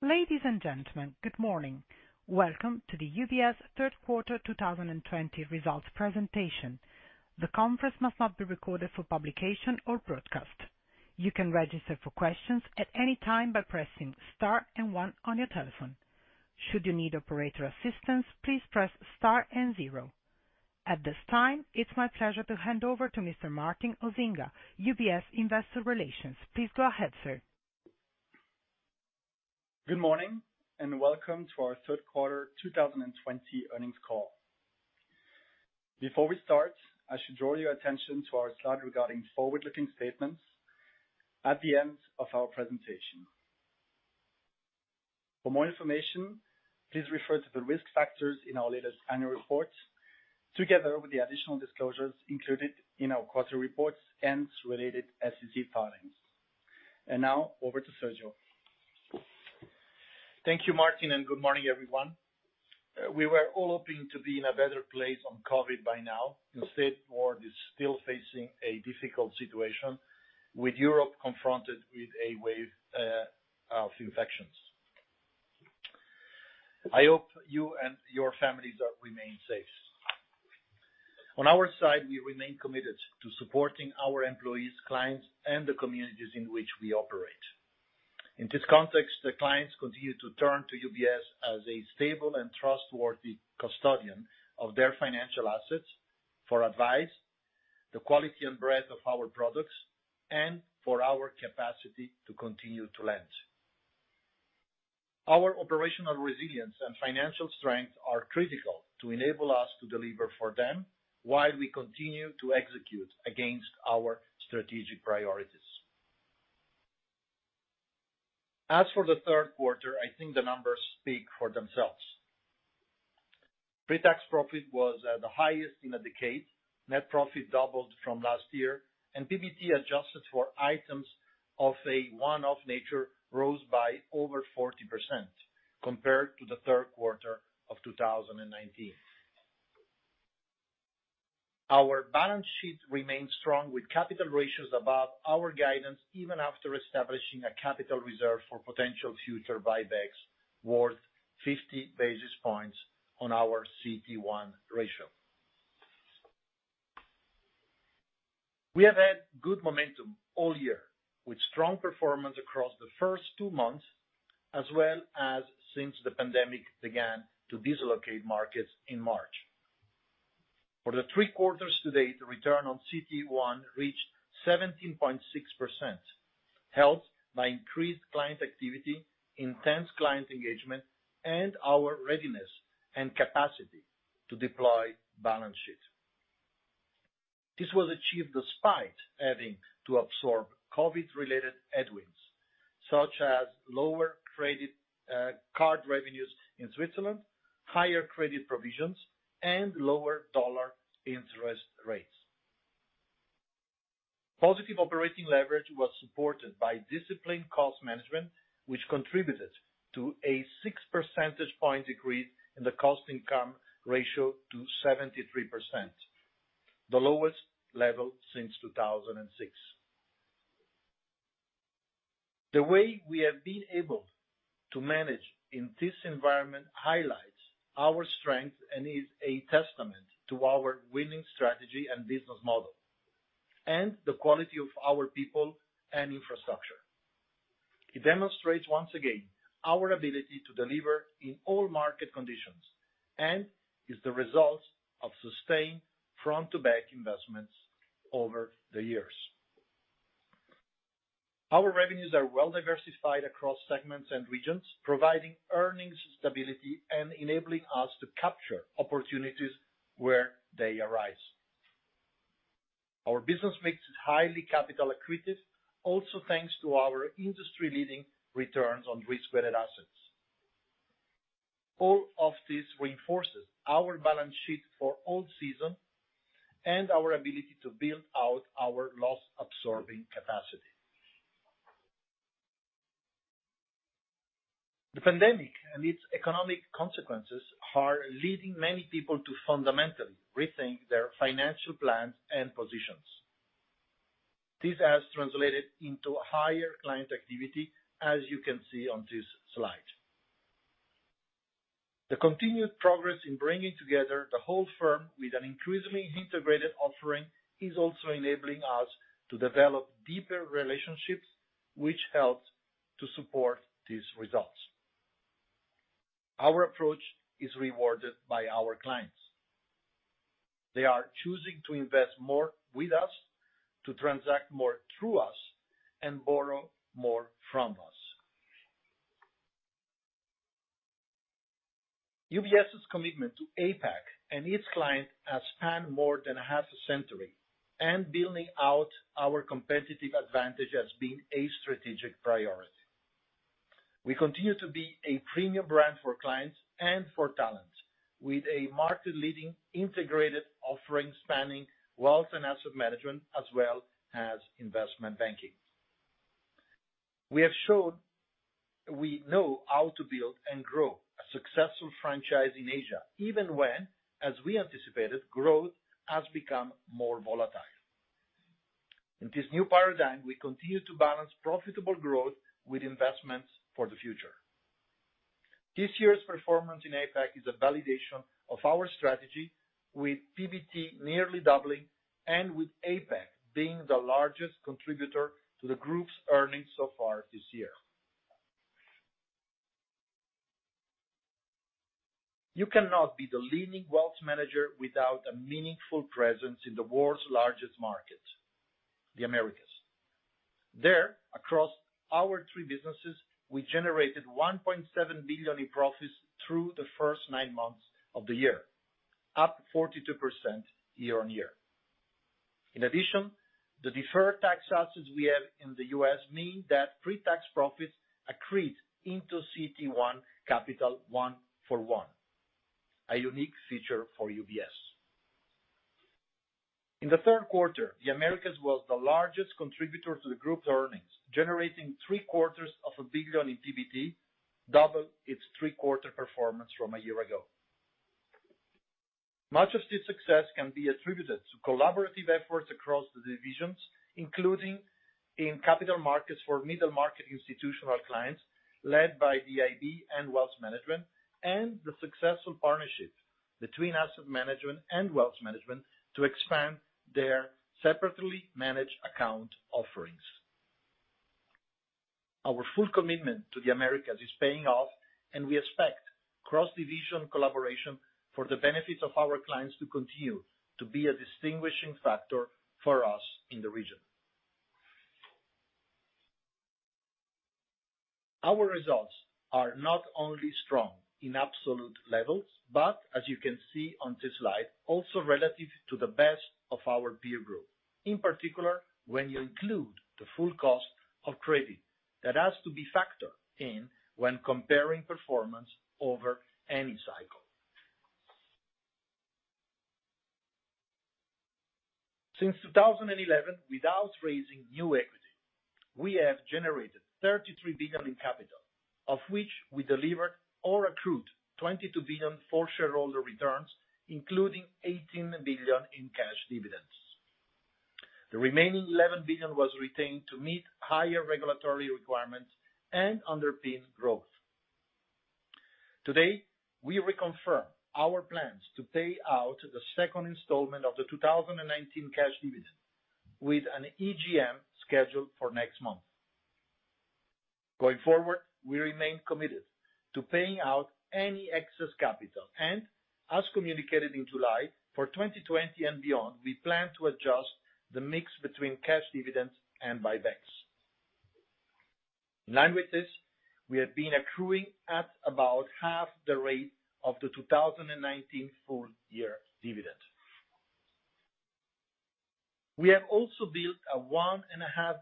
Ladies and gentlemen, good morning. Welcome to the UBS third quarter 2020 results presentation. The conference must not be recorded for publication or broadcast. At this time, it's my pleasure to hand over to Mr. Martin Osinga, UBS Investor Relations. Please go ahead, sir. Good morning, and welcome to our third quarter 2020 earnings call. Before we start, I should draw your attention to our slide regarding forward-looking statements at the end of our presentation. For more information, please refer to the risk factors in our latest annual reports, together with the additional disclosures included in our quarterly reports and related SEC filings. Now, over to Sergio. Thank you, Martin. Good morning, everyone. We were all hoping to be in a better place on COVID by now. Instead, the world is still facing a difficult situation, with Europe confronted with a wave of infections. I hope you and your families remain safe. On our side, we remain committed to supporting our employees, clients, and the communities in which we operate. In this context, the clients continue to turn to UBS as a stable and trustworthy custodian of their financial assets for advice, the quality and breadth of our products, and for our capacity to continue to lend. Our operational resilience and financial strength are critical to enable us to deliver for them while we continue to execute against our strategic priorities. As for the third quarter, I think the numbers speak for themselves. Pre-tax profit was at the highest in a decade. Net profit doubled from last year. PBT adjusted for items of a one-off nature rose by over 40% compared to the third quarter of 2019. Our balance sheet remains strong, with capital ratios above our guidance, even after establishing a capital reserve for potential future buybacks worth 50 basis points on our CET1 ratio. We have had good momentum all year, with strong performance across the first two months, as well as since the pandemic began to dislocate markets in March. For the three quarters-to-date, the return on CET1 reached 17.6%, helped by increased client activity, intense client engagement, and our readiness and capacity to deploy balance sheet. This was achieved despite having to absorb COVID-related headwinds, such as lower credit card revenues in Switzerland, higher credit provisions, and lower dollar interest rates. Positive operating leverage was supported by disciplined cost management, which contributed to a 6 percentage point decrease in the cost-income ratio to 73%, the lowest level since 2006. The way we have been able to manage in this environment highlights our strength and is a testament to our winning strategy and business model, and the quality of our people and infrastructure. It demonstrates once again our ability to deliver in all market conditions and is the result of sustained front-to-back investments over the years. Our revenues are well-diversified across segments and regions, providing earnings stability and enabling us to capture opportunities where they arise. Our business mix is highly capital accretive also thanks to our industry-leading returns on risk-weighted assets. All of this reinforces our balance sheet for all season and our ability to build out our loss-absorbing capacity. The pandemic and its economic consequences are leading many people to fundamentally rethink their financial plans and positions. This has translated into higher client activity, as you can see on this slide. The continued progress in bringing together the whole firm with an increasingly integrated offering is also enabling us to develop deeper relationships, which helps to support these results. Our approach is rewarded by our clients. They are choosing to invest more with us, to transact more through us, and borrow more from us. UBS's commitment to APAC and its clients has spanned more than half a century, and building out our competitive advantage has been a strategic priority. We continue to be a premium brand for clients and for talent, with a market-leading integrated offering spanning wealth and asset management as well as investment banking. We have shown we know how to build and grow a successful franchise in Asia, even when, as we anticipated, growth has become more volatile. In this new paradigm, we continue to balance profitable growth with investments for the future. This year's performance in APAC is a validation of our strategy, with PBT nearly doubling and with APAC being the largest contributor to the group's earnings so far this year. You cannot be the leading wealth manager without a meaningful presence in the world's largest market, the Americas. There, across our three businesses, we generated 1.7 billion in profits through the first nine months of the year, up 42% year-on-year. The Deferred Tax Assets we have in the U.S. mean that pre-tax profits accrete into CET1 capital one-for-one, a unique feature for UBS. In the third quarter, the Americas was the largest contributor to the group's earnings, generating CHF three quarters of a billion in PBT, double its three quarter performance from a year ago. Much of this success can be attributed to collaborative efforts across the divisions, including in capital markets for middle market institutional clients, led by the IB and Wealth Management, and the successful partnership between Asset Management and Wealth Management to expand their Separately Managed Account offerings. Our full commitment to the Americas is paying off, we expect cross-division collaboration for the benefit of our clients to continue to be a distinguishing factor for us in the region. Our results are not only strong in absolute levels, but as you can see on this slide, also relative to the best of our peer group, in particular, when you include the full cost of credit that has to be factored in when comparing performance over any cycle. Since 2011, without raising new equity, we have generated 33 billion in capital, of which we delivered or accrued 22 billion for shareholder returns, including 18 billion in cash dividends. The remaining 11 billion was retained to meet higher regulatory requirements and underpin growth. Today, we reconfirm our plans to pay out the second installment of the 2019 cash dividend with an EGM scheduled for next month. Going forward, we remain committed to paying out any excess capital and, as communicated in July, for 2020 and beyond, we plan to adjust the mix between cash dividends and buybacks. In line with this, we have been accruing at about half the rate of the 2019 full year dividend. We have also built a $1.5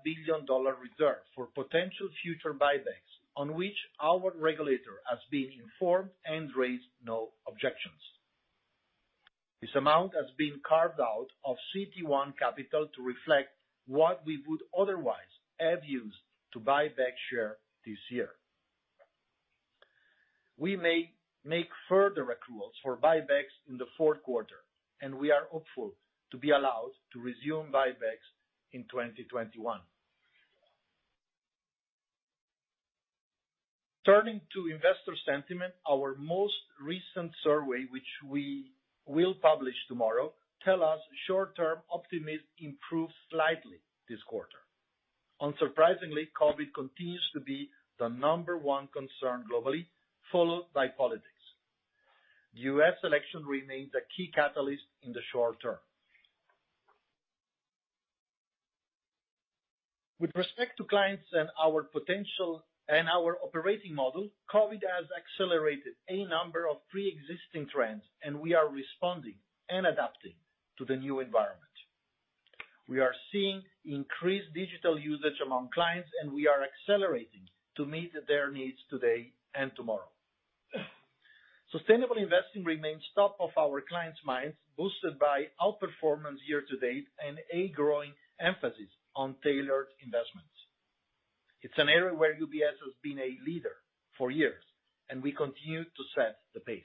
billion reserve for potential future buybacks, on which our regulator has been informed and raised no objections. This amount has been carved out of CET1 capital to reflect what we would otherwise have used to buy back share this year. We may make further accruals for buybacks in the fourth quarter, and we are hopeful to be allowed to resume buybacks in 2021. Turning to investor sentiment, our most recent survey, which we will publish tomorrow, tells us short-term optimism improved slightly this quarter. Unsurprisingly, COVID continues to be the number one concern globally, followed by politics. The U.S. election remains a key catalyst in the short term. With respect to clients and our potential and our operating model, COVID has accelerated a number of preexisting trends, and we are responding and adapting to the new environment. We are seeing increased digital usage among clients, and we are accelerating to meet their needs today and tomorrow. Sustainable investing remains top of our clients' minds, boosted by outperformance year-to-date and a growing emphasis on tailored investments. It's an area where UBS has been a leader for years, and we continue to set the pace.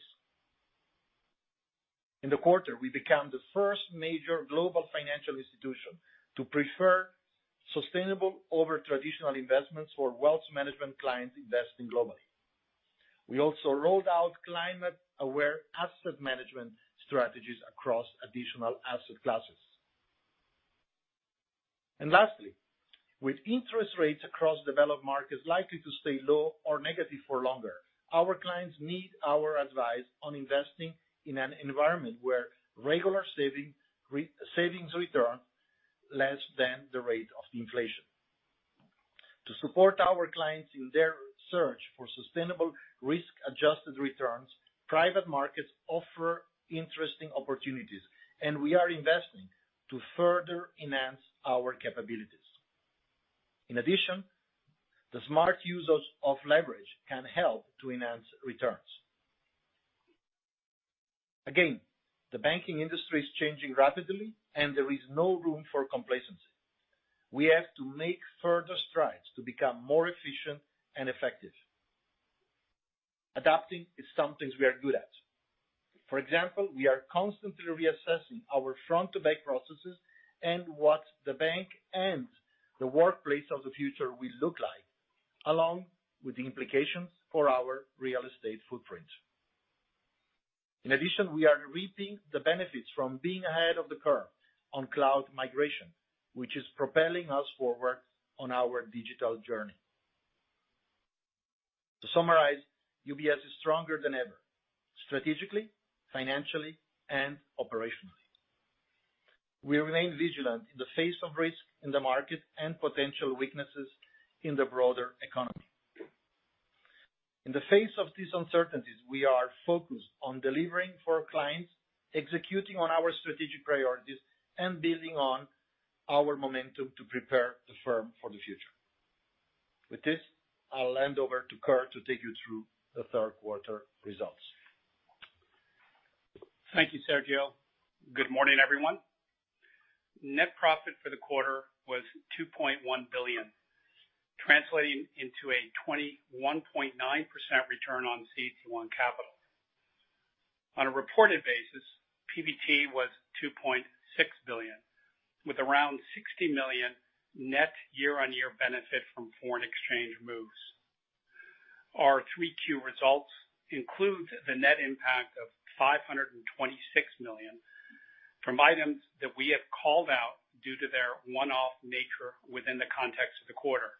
In the quarter, we become the first major global financial institution to prefer sustainable over traditional investments for wealth management clients investing globally. We also rolled out climate-aware asset management strategies across additional asset classes. Lastly, with interest rates across developed markets likely to stay low or negative for longer, our clients need our advice on investing in an environment where regular savings return less than the rate of inflation. To support our clients in their search for sustainable risk-adjusted returns, private markets offer interesting opportunities, and we are investing to further enhance our capabilities. In addition, the smart use of leverage can help to enhance returns. The banking industry is changing rapidly and there is no room for complacency. We have to make further strides to become more efficient and effective. Adapting is something we are good at. For example, we are constantly reassessing our front-to-back processes and what the bank and the workplace of the future will look like, along with the implications for our real estate footprint. In addition, we are reaping the benefits from being ahead of the curve on cloud migration, which is propelling us forward on our digital journey. To summarize, UBS is stronger than ever, strategically, financially, and operationally. We remain vigilant in the face of risk in the market and potential weaknesses in the broader economy. In the face of these uncertainties, we are focused on delivering for our clients, executing on our strategic priorities, and building on our momentum to prepare the firm for the future. With this, I'll hand over to Kirt to take you through the third quarter results. Thank you, Sergio. Good morning, everyone. Net profit for the quarter was $2.1 billion, translating into a 21.9% return on CET1 capital. On a reported basis, PBT was $2.6 billion, with around $60 million net year-on-year benefit from foreign exchange moves. Our Q3 results include the net impact of $526 million from items that we have called out due to their one-off nature within the context of the quarter.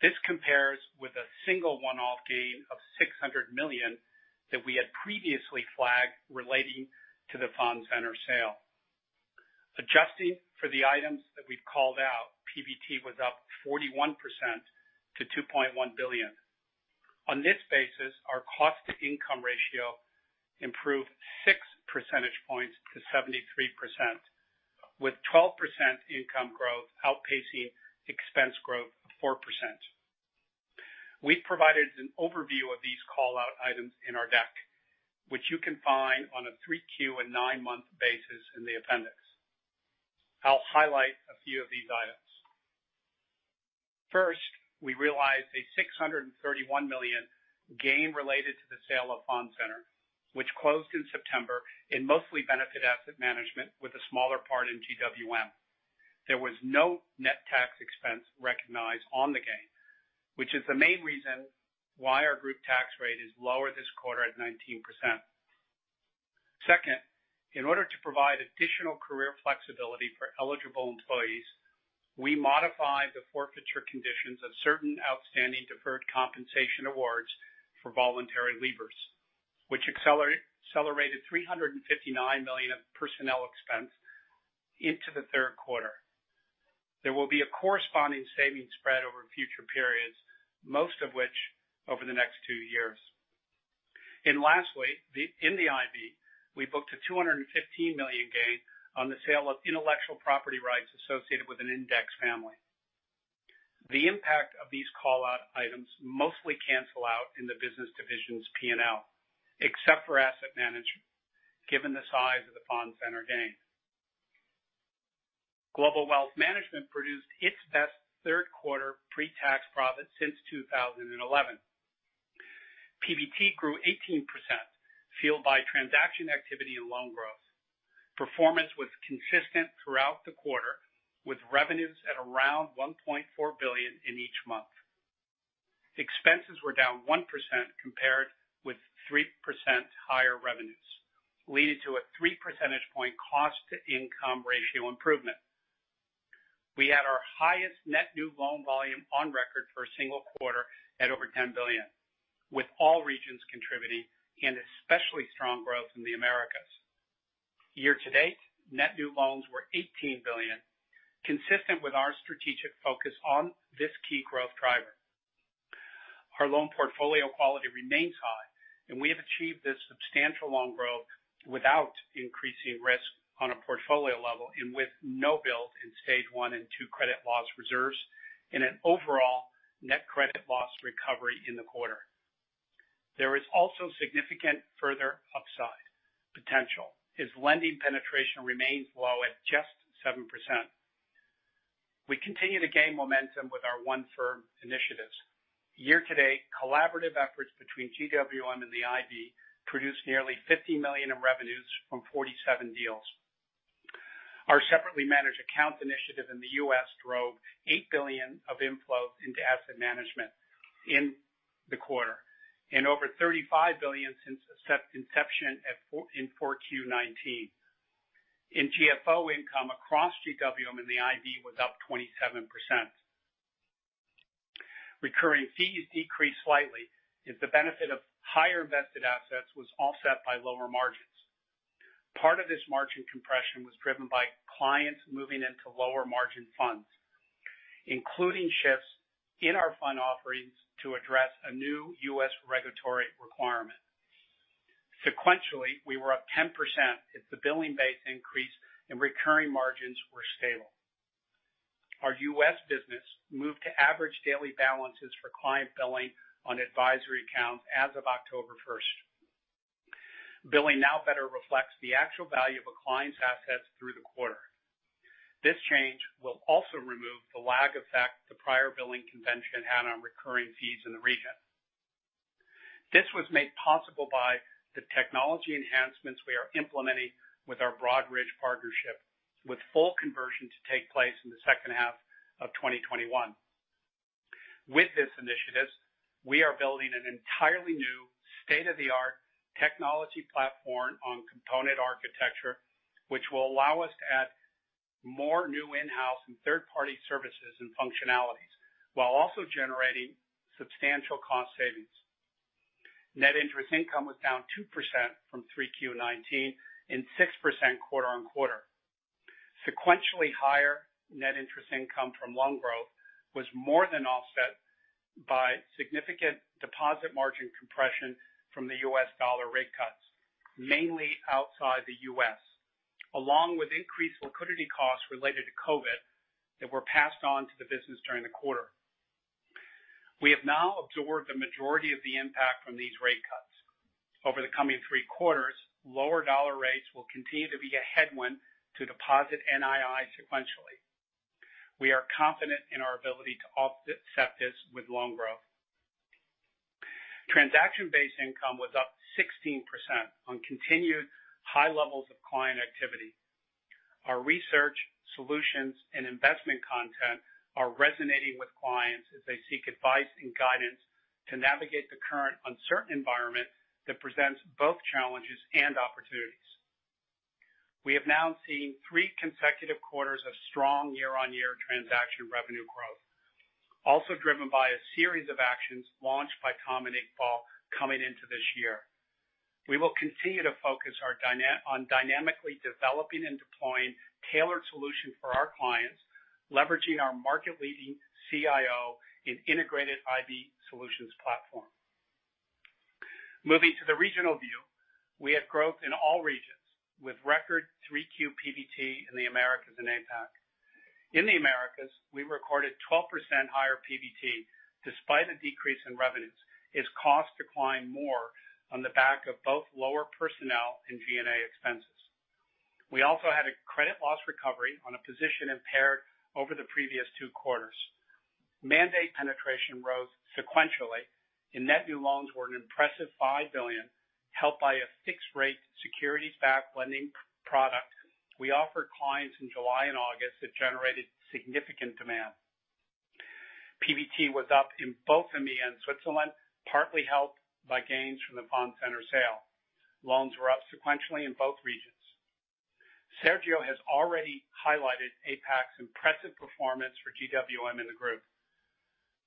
This compares with a single one-off gain of $600 million that we had previously flagged relating to the Fondcenter sale. Adjusting for the items that we've called out, PBT was up 41% to $2.1 billion. On this basis, our cost-to-income ratio improved 6 percentage points to 73%, with 12% income growth outpacing expense growth of 4%. We've provided an overview of these callout items in our deck, which you can find on a Q3 and nine-month basis in the appendix. I'll highlight a few of these items. First, we realized a $631 million gain related to the sale of Fondcenter, which closed in September, and mostly benefit asset management with a smaller part in GWM. There was no net tax expense recognized on the gain, which is the main reason why our group tax rate is lower this quarter at 19%. Second, in order to provide additional career flexibility for eligible employees, we modified the forfeiture conditions of certain outstanding deferred compensation awards for voluntary leavers, which accelerated $359 million of personnel expense into the third quarter. There will be a corresponding savings spread over future periods, most of which over the next two years. Lastly, in the IB, we booked a $215 million gain on the sale of intellectual property rights associated with an index family. The impact of these callout items mostly cancel out in the business division's P&L, except for Asset Management, given the size of the Fondcenter gain. Global Wealth Management produced its best third-quarter pre-tax profit since 2011. PBT grew 18%, fueled by transaction activity and loan growth. Performance was consistent throughout the quarter, with revenues at around $1.4 billion in each month. Expenses were down 1% compared with 3% higher revenues, leading to a 3 percentage point cost-to-income ratio improvement. We had our highest net new loan volume on record for a single quarter at over $10 billion, with all regions contributing and especially strong growth in the Americas. Year-to-date, net new loans were $18 billion, consistent with our strategic focus on this key growth driver. Our loan portfolio quality remains high, and we have achieved this substantial loan growth without increasing risk on a portfolio level and with no build in Stage 1 and 2 credit loss reserves in an overall net credit loss recovery in the quarter. There is also significant further upside potential as lending penetration remains low at just 7%. We continue to gain momentum with our One Firm initiatives. Year-to-date, collaborative efforts between GWM and the IB produced nearly $50 million in revenues from 47 deals. Our Separately Managed Accounts initiative in the U.S. drove $8 billion of inflows into asset management in the quarter, and over $35 billion since inception in Q4 2019. In GFO income across GWM and the IB was up 27%. Recurring fees decreased slightly as the benefit of higher vested assets was offset by lower margins. Part of this margin compression was driven by clients moving into lower-margin funds, including shifts in our fund offerings to address a new U.S. regulatory requirement. Sequentially, we were up 10% as the billing base increased and recurring margins were stable. Our U.S. business moved to average daily balances for client billing on advisory accounts as of October 1st. Billing now better reflects the actual value of a client's assets through the quarter. This change will also remove the lag effect the prior billing convention had on recurring fees in the region. This was made possible by the technology enhancements we are implementing with our Broadridge partnership, with full conversion to take place in the second half of 2021. With this initiative, we are building an entirely new state-of-the-art technology platform on component architecture, which will allow us to add more new in-house and third-party services and functionalities, while also generating substantial cost savings. Net interest income was down 2% from Q3 2019 and 6% quarter-on-quarter. Sequentially higher net interest income from loan growth was more than offset by significant deposit margin compression from the U.S. dollar rate cuts, mainly outside the U.S., along with increased liquidity costs related to COVID that were passed on to the business during the quarter. We have now absorbed the majority of the impact from these rate cuts. Over the coming three quarters, lower U.S. dollar rates will continue to be a headwind to deposit NII sequentially. We are confident in our ability to offset this with loan growth. Transaction-based income was up 16% on continued high levels of client activity. Our research, solutions, and investment content are resonating with clients as they seek advice and guidance to navigate the current uncertain environment that presents both challenges and opportunities. We have now seen three consecutive quarters of strong year-on-year transaction revenue growth, also driven by a series of actions launched by Tom and Iqbal coming into this year. We will continue to focus on dynamically developing and deploying tailored solutions for our clients, leveraging our market-leading CIO in integrated IB solutions platform. Moving to the regional view, we have growth in all regions, with record Q3 PBT in the Americas and APAC. In the Americas, we recorded 12% higher PBT despite a decrease in revenues as costs declined more on the back of both lower personnel and G&A expenses. We also had a credit loss recovery on a position impaired over the previous two quarters. Mandate penetration rose sequentially. Net new loans were an impressive 5 billion, helped by a fixed-rate securities-backed lending product we offered clients in July and August that generated significant demand. PBT was up in both EMEA and Switzerland, partly helped by gains from the Fondcenter sale. Loans were up sequentially in both regions. Sergio has already highlighted APAC's impressive performance for GWM in the group.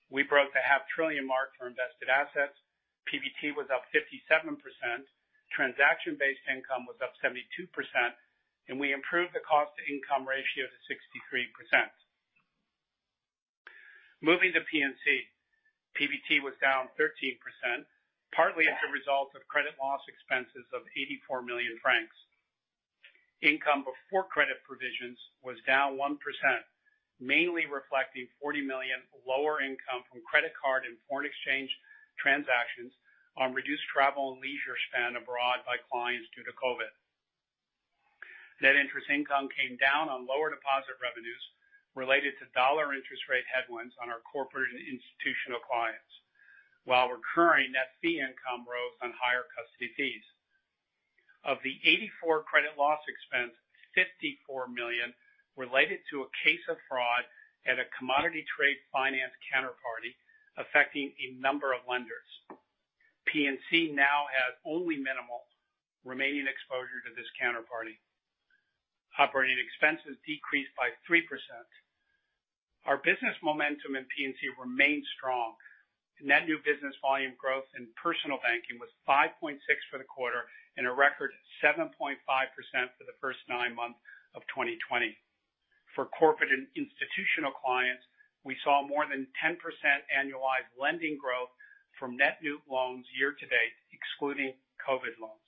We broke the half-trillion mark for invested assets. PBT was up 57%, transaction-based income was up 72%. We improved the cost-to-income ratio to 63%. Moving to P&C. PBT was down 13%, partly as a result of credit loss expenses of 84 million francs. Income before credit provisions was down 1%, mainly reflecting 40 million lower income from credit card and foreign exchange transactions on reduced travel and leisure spend abroad by clients due to COVID. Net interest income came down on lower deposit revenues related to dollar interest rate headwinds on our corporate and institutional clients. Recurring net fee income rose on higher custody fees. Of the 84 million credit loss expense, 54 million related to a case of fraud at a commodity trade finance counterparty affecting a number of lenders. P&C now has only minimal remaining exposure to this counterparty. Operating expenses decreased by 3%. Our business momentum in P&C remains strong. Net new business volume growth in personal banking was 5.6% for the quarter and a record 7.5% for the first nine months of 2020. For corporate and institutional clients, we saw more than 10% annualized lending growth from net new loans year-to-date, excluding COVID loans.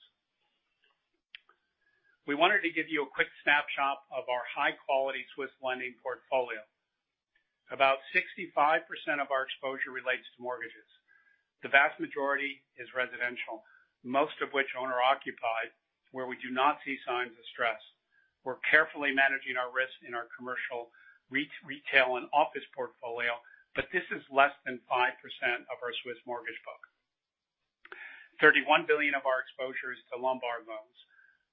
We wanted to give you a quick snapshot of our high-quality Swiss lending portfolio. About 65% of our exposure relates to mortgages. The vast majority is residential, most of which owner-occupied, where we do not see signs of stress. We're carefully managing our risk in our commercial retail, and office portfolio, but this is less than 5% of our Swiss mortgage book. 31 billion of our exposure is to Lombard loans.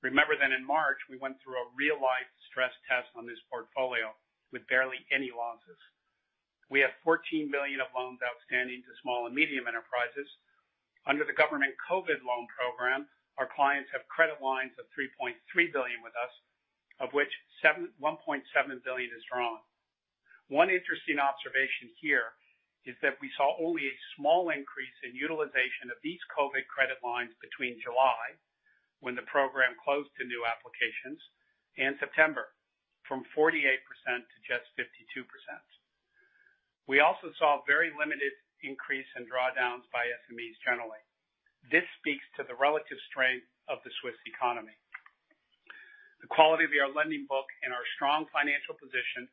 Remember that in March, we went through a real-life stress test on this portfolio with barely any losses. We have 14 billion of loans outstanding to small and medium enterprises. Under the government COVID loan program, our clients have credit lines of 3.3 billion with us, of which 1.7 billion is drawn. One interesting observation here is that we saw only a small increase in utilization of these COVID credit lines between July, when the program closed to new applications, and September, from 48% to just 52%. We also saw very limited increase in drawdowns by SMEs generally. This speaks to the relative strength of the Swiss economy. The quality of our lending book and our strong financial position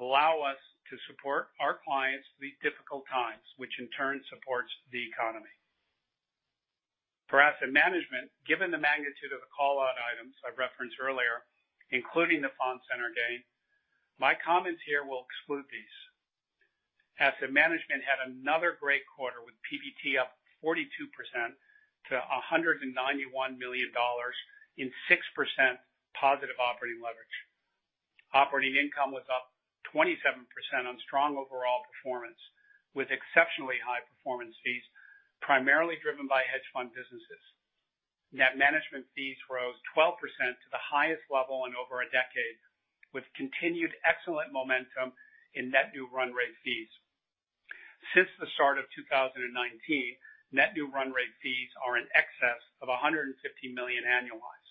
allow us to support our clients through these difficult times, which in turn supports the economy. For Asset Management, given the magnitude of the call-out items I referenced earlier, including the Fondcenter gain, my comments here will exclude these. Asset Management had another great quarter, with PBT up 42% to $191 million in 6% positive operating leverage. Operating income was up 27% on strong overall performance, with exceptionally high performance fees, primarily driven by hedge fund businesses. Net management fees rose 12% to the highest level in over a decade, with continued excellent momentum in net new run rate fees. Since the start of 2019, net new run rate fees are in excess of 150 million annualized,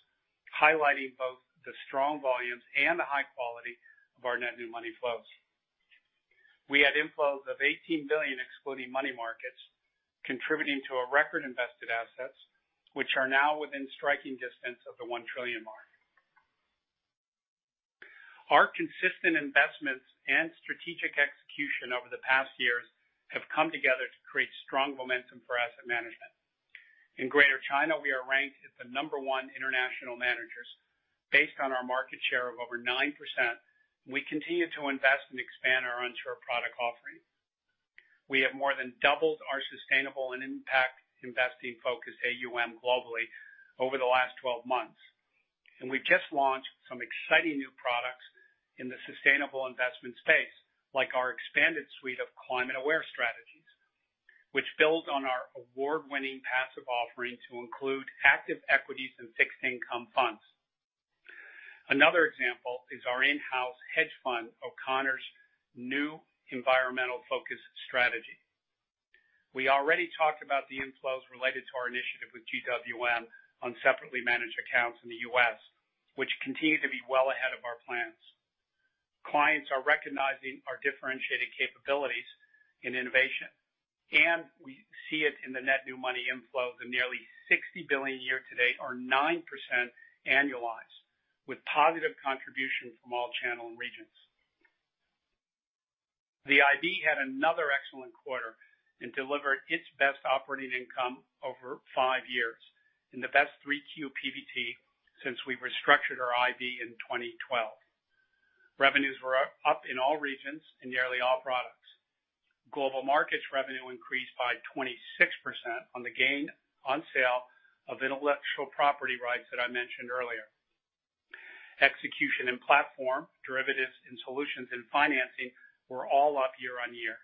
highlighting both the strong volumes and the high quality of our net new money flows. We had inflows of 18 billion excluding money markets, contributing to our record invested assets, which are now within striking distance of the 1 trillion mark. Our consistent investments and strategic execution over the past years have come together to create strong momentum for asset management. In Greater China, we are ranked as the number one International Managers. Based on our market share of over 9%, we continue to invest and expand our onshore product offering. We have more than doubled our sustainable and impact investing-focused AUM globally over the last 12 months. We just launched some exciting new products in the sustainable investment space, like our expanded suite of climate-aware strategies, which build on our award-winning passive offering to include active equities and fixed income funds. Another example is our in-house hedge fund, O'Connor's new Environmental-Focused Strategy. We already talked about the inflows related to our initiative with GWM on Separately Managed Accounts in the U.S., which continue to be well ahead of our plans. Clients are recognizing our differentiated capabilities in innovation, and we see it in the net new money inflow of the nearly $60 billion year-to-date or 9% annualized, with positive contribution from all channel and regions. The IB had another excellent quarter and delivered its best operating income over five years in the best three-quarter PBT since we restructured our IB in 2012. Revenues were up in all regions in nearly all products. Global Markets revenue increased by 26% on the gain on sale of intellectual property rights that I mentioned earlier. Execution and platform, derivatives, and solutions and financing were all up year-on-year.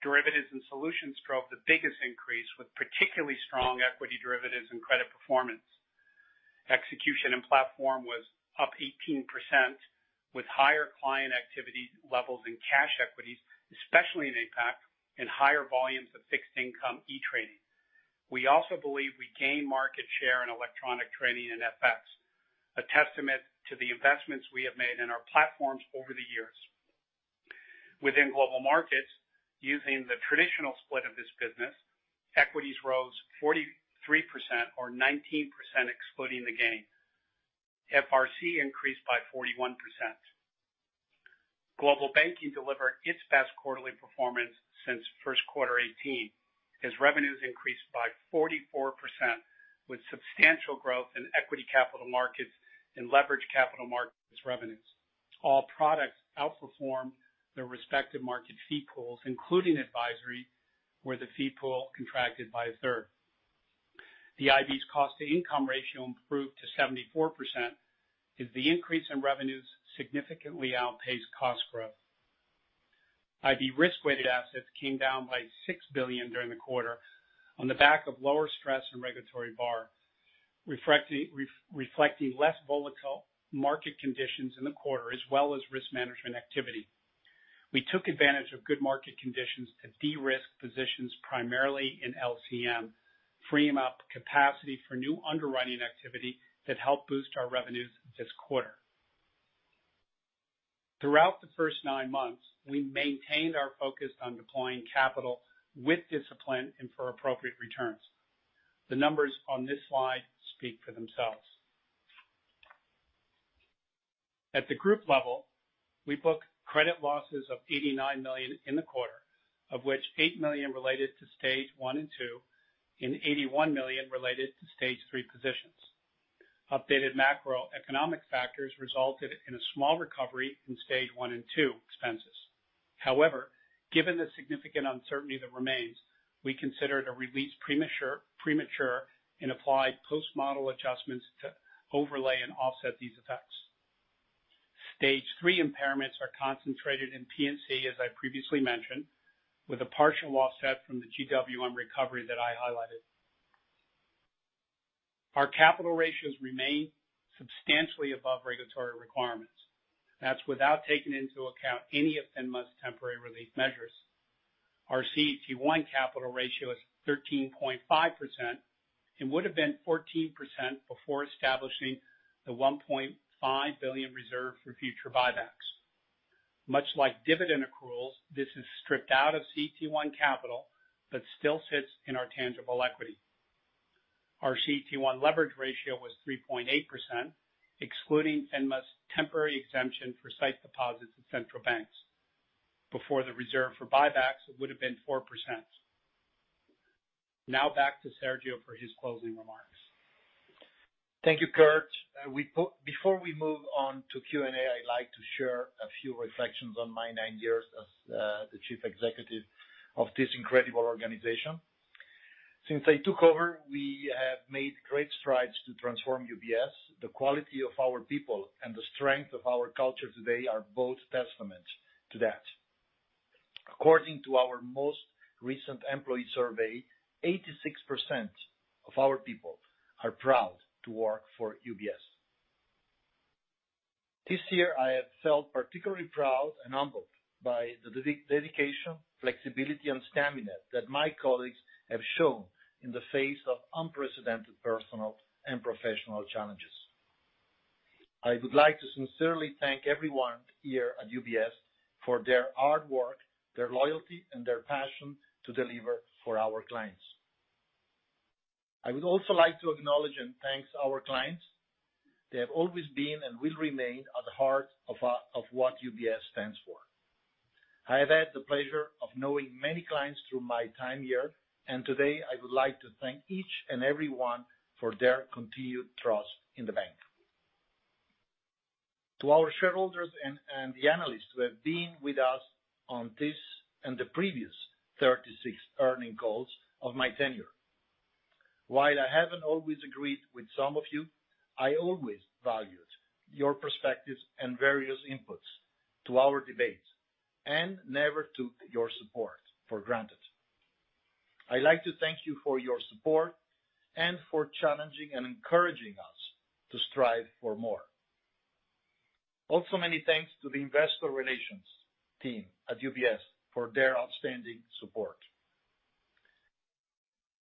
Derivatives and solutions drove the biggest increase, with particularly strong equity derivatives and credit performance. Execution and platform was up 18%, with higher client activity levels in cash equities, especially in APAC, and higher volumes of fixed income e-trading. We also believe we gained market share in electronic trading and FX, a testament to the investments we have made in our platforms over the years. Within Global Markets, using the traditional split of this business, equities rose 43%, or 19% excluding the gain. FRC increased by 41%. Global Banking delivered its best quarterly performance since first quarter 2018, as revenues increased by 44%, with substantial growth in Equity Capital Markets and Leveraged Capital Markets revenues. All products outperformed their respective market fee pools, including advisory, where the fee pool contracted by a third. The IB's cost-to-income ratio improved to 74%, as the increase in revenues significantly outpaced cost growth. IB risk-weighted assets came down by 6 billion during the quarter on the back of lower stress and regulatory bar, reflecting less volatile market conditions in the quarter, as well as risk management activity. We took advantage of good market conditions to de-risk positions primarily in LCM, freeing up capacity for new underwriting activity that helped boost our revenues this quarter. Throughout the first nine months, we maintained our focus on deploying capital with discipline and for appropriate returns. The numbers on this slide speak for themselves. At the group level, we book credit losses of $89 million in the quarter, of which $8 million related to Stage I and II and $81 million related to Stage III positions. Updated macroeconomic factors resulted in a small recovery in Stage I and II expenses. However, given the significant uncertainty that remains, we considered a release premature and applied post-model adjustments to overlay and offset these effects. Stage III impairments are concentrated in P&C, as I previously mentioned, with a partial offset from the GWM recovery that I highlighted. Our capital ratios remain substantially above regulatory requirements. That's without taking into account any of FINMA's temporary relief measures. Our CET1 capital ratio is 13.5%, and would've been 14% before establishing the $1.5 billion reserve for future buybacks. Much like dividend accruals, this is stripped out of CET1 capital, but still sits in our tangible equity. Our CET1 leverage ratio was 3.8%, excluding FINMA's temporary exemption for site deposits at central banks. Before the reserve for buybacks, it would've been 4%. Now back to Sergio for his closing remarks. Thank you, Kirt. Before we move on to Q&A, I'd like to share a few reflections on my nine years as the chief executive of this incredible organization. Since I took over, we have made great strides to transform UBS. The quality of our people and the strength of our culture today are both testament to that. According to our most recent employee survey, 86% of our people are proud to work for UBS. This year, I have felt particularly proud and humbled by the dedication, flexibility, and stamina that my colleagues have shown in the face of unprecedented personal and professional challenges. I would like to sincerely thank everyone here at UBS for their hard work, their loyalty, and their passion to deliver for our clients. I would also like to acknowledge and thank our clients. They have always been and will remain at the heart of what UBS stands for. I have had the pleasure of knowing many clients through my time here, and today I would like to thank each and every one for their continued trust in the bank. To our shareholders and the analysts who have been with us on this and the previous 36 earnings calls of my tenure, while I haven't always agreed with some of you, I always valued your perspectives and various inputs to our debates and never took your support for granted. I'd like to thank you for your support and for challenging and encouraging us to strive for more. Also, many thanks to the Investor Relations team at UBS for their outstanding support.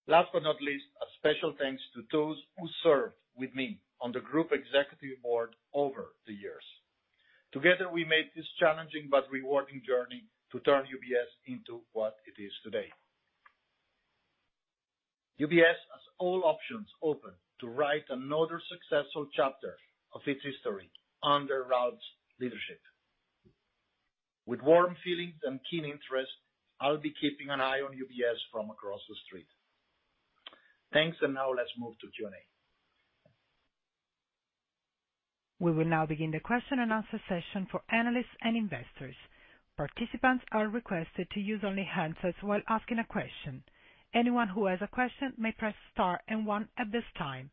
Last but not least, a special thanks to those who served with me on the Group Executive Board over the years. Together, we made this challenging but rewarding journey to turn UBS into what it is today. UBS has all options open to write another successful chapter of its history under Ralph's leadership. With warm feelings and keen interest, I'll be keeping an eye on UBS from across the street. Thanks, and now let's move to Q&A. We will now begin the question and answer session for analysts and investors. Participants are requested to use only handsets while asking a question. Anyone who has a question may press star and one at this time.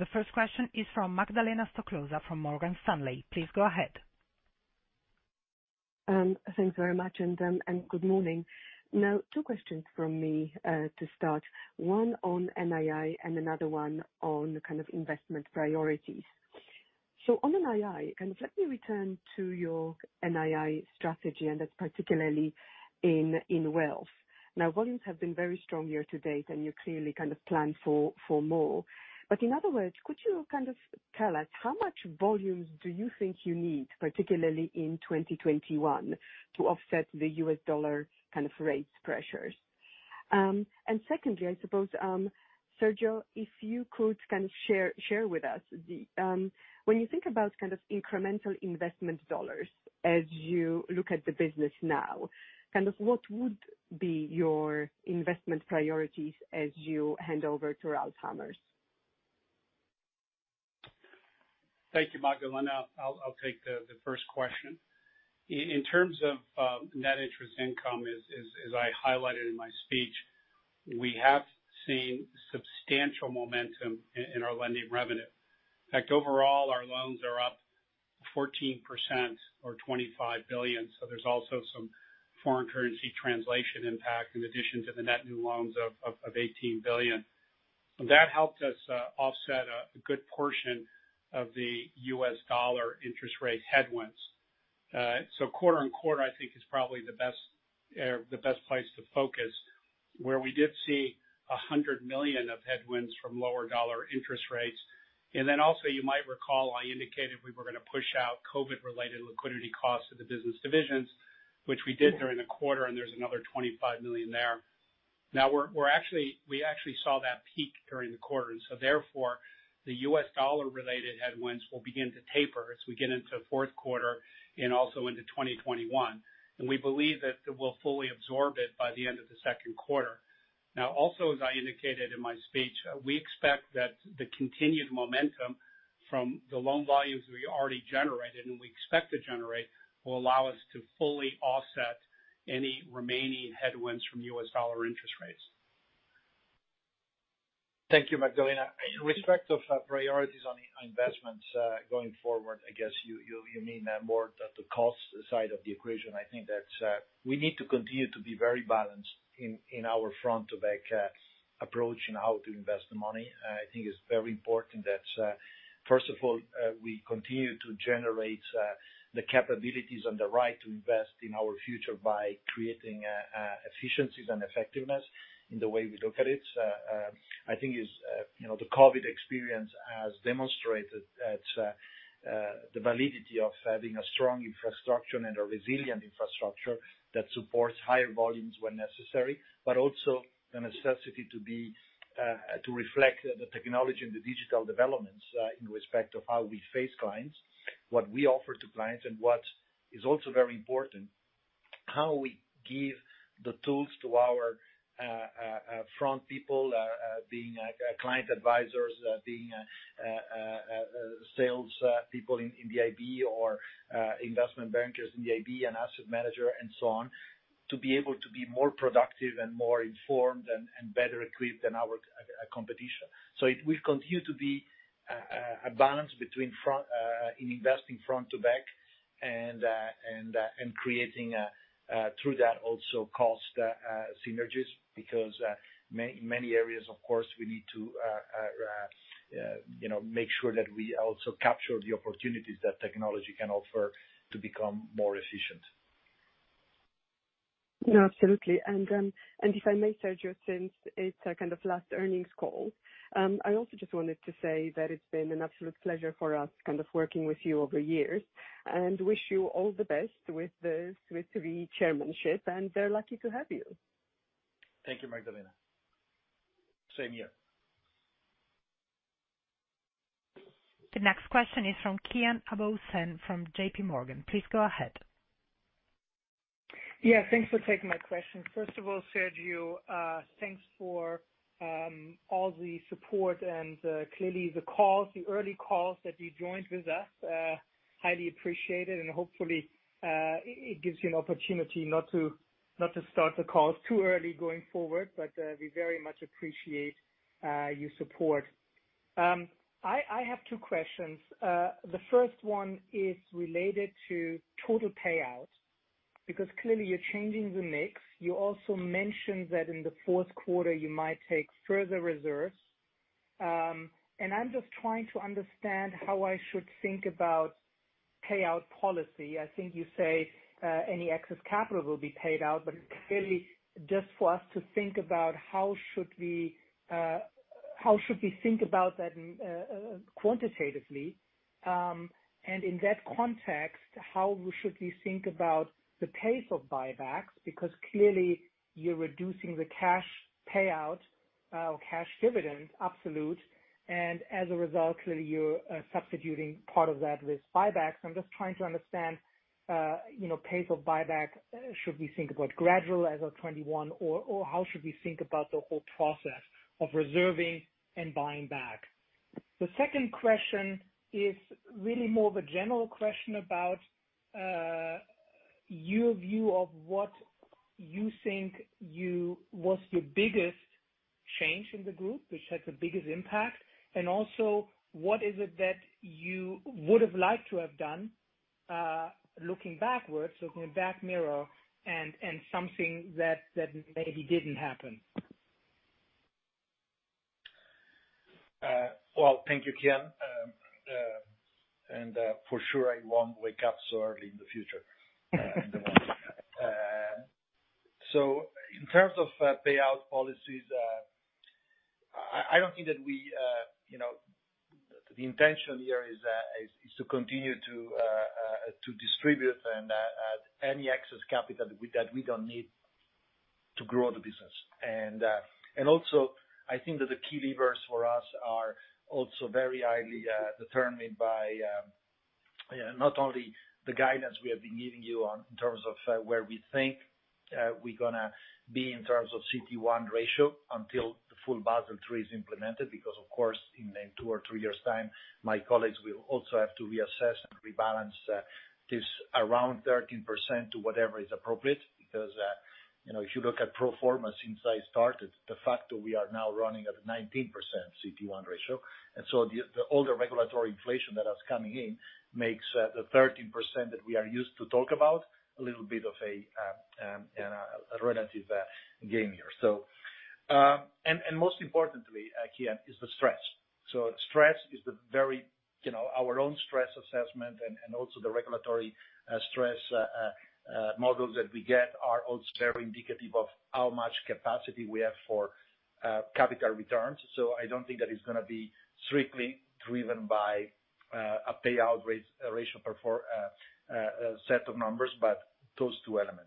The first question is from Magdalena Stoklosa from Morgan Stanley. Please go ahead. Thanks very much. Good morning. Two questions from me to start. One on NII and another one on kind of investment priorities. On NII, let me return to your NII strategy, that's particularly in wealth. Volumes have been very strong year-to-date, you clearly kind of plan for more. In other words, could you kind of tell us how much volumes do you think you need, particularly in 2021, to offset the U.S. dollar kind of rates pressures? Secondly, I suppose, Sergio, if you could kind of share with us, when you think about kind of incremental investment dollars as you look at the business now, what would be your investment priorities as you hand over to Ralph Hamers? Thank you, Magdalena. I'll take the first question. In terms of net interest income, as I highlighted in my speech, we have seen substantial momentum in our lending revenue. In fact, overall, our loans are up 14% or $25 billion. There's also some foreign currency translation impact in addition to the net new loans of $18 billion. That helped us offset a good portion of the U.S. dollar interest rate headwinds. Quarter-on-quarter, I think is probably the best place to focus, where we did see $100 million of headwinds from lower dollar interest rates. Then also, you might recall, I indicated we were going to push out COVID-related liquidity costs to the business divisions, which we did during the quarter, and there's another $25 million there. We actually saw that peak during the quarter, and so therefore, the U.S. dollar-related headwinds will begin to taper as we get into fourth quarter and also into 2021. We believe that we'll fully absorb it by the end of the second quarter. Also, as I indicated in my speech, we expect that the continued momentum from the loan volumes we already generated and we expect to generate will allow us to fully offset any remaining headwinds from U.S. dollar interest rates. Thank you, Magdalena. In respect of priorities on investments going forward, I guess you mean that more the cost side of the equation. I think that we need to continue to be very balanced in our front-to-back approach in how to invest the money. I think it's very important that, first of all, we continue to generate the capabilities and the right to invest in our future by creating efficiencies and effectiveness in the way we look at it. The COVID experience has demonstrated that the validity of having a strong infrastructure and a resilient infrastructure that supports higher volumes when necessary, but also the necessity to reflect the technology and the digital developments, in respect of how we face clients, what we offer to clients, and what is also very important, how we give the tools to our front people, being client advisors, being sales people in the IB or investment bankers in the IB and asset manager and so on, to be able to be more productive and more informed and better equipped than our competition. It will continue to be a balance between investing front to back and creating through that also cost synergies because many areas, of course, we need to make sure that we also capture the opportunities that technology can offer to become more efficient. No, absolutely. If I may, Sergio, since it's kind of last earnings call, I also just wanted to say that it's been an absolute pleasure for us working with you over years and wish you all the best with the Swiss Re chairmanship, and they're lucky to have you. Thank you, Magdalena. Same here. The next question is from Kian Abouhossein from JPMorgan. Please go ahead. Yeah, thanks for taking my question. First of all, Sergio, thanks for all the support and clearly the calls, the early calls that you joined with us, highly appreciate it, and hopefully, it gives you an opportunity not to start the calls too early going forward, but we very much appreciate your support. I have two questions. The first one is related to total payout, because clearly you're changing the mix. You also mentioned that in the fourth quarter, you might take further reserves. I'm just trying to understand how I should think about payout policy. I think you say, any excess capital will be paid out, but clearly, just for us to think about how should we think about that quantitatively, and in that context, how should we think about the pace of buybacks, because clearly, you're reducing the cash payout or cash dividend absolute, and as a result, clearly you're substituting part of that with buybacks. I'm just trying to understand pace of buyback. Should we think about gradual as of 2021, or how should we think about the whole process of reserving and buying back? The second question is really more of a general question about your view of what you think was your biggest change in the group, which had the biggest impact, and also, what is it that you would have liked to have done, looking backwards, looking in a back mirror, and something that maybe didn't happen. Well, thank you, Kian. For sure, I won't wake up so early in the future. In terms of payout policies, I don't think that the intention here is to continue to distribute any excess capital that we don't need to grow the business. Also, I think that the key levers for us are also very highly determined by not only the guidance we have been giving you in terms of where we think we're going to be in terms of CET1 ratio until the full Basel III is implemented, because, of course, in two or three years' time, my colleagues will also have to reassess and rebalance this around 13% to whatever is appropriate. If you look at pro forma since I started, de facto, we are now running at a 19% CET1 ratio, the older regulatory inflation that is coming in makes the 13% that we are used to talk about a little bit of a relative game here. Most importantly, Kian, is the stress. Stress, our own stress assessment and also the regulatory stress models that we get are also very indicative of how much capacity we have for capital returns. I don't think that it is going to be strictly driven by a payout ratio set of numbers, but those two elements.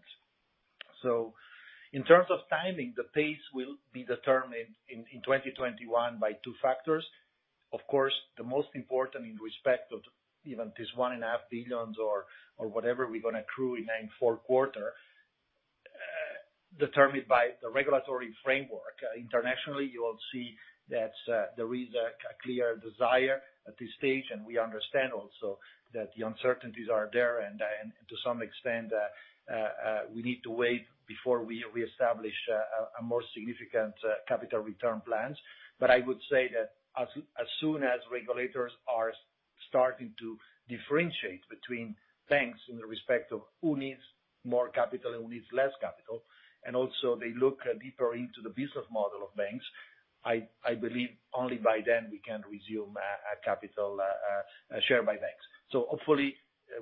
In terms of timing, the pace will be determined in 2021 by two factors. Of course, the most important in respect of even this $1.5 billion or whatever we are going to accrue in Q4, determined by the regulatory framework. Internationally, you will see that there is a clear desire at this stage, and we understand also that the uncertainties are there, and to some extent, we need to wait before we establish a more significant capital return plans. I would say that as soon as regulators are starting to differentiate between banks in the respect of who needs more capital and who needs less capital, and also they look deeper into the business model of banks, I believe only by then we can resume a capital share by banks.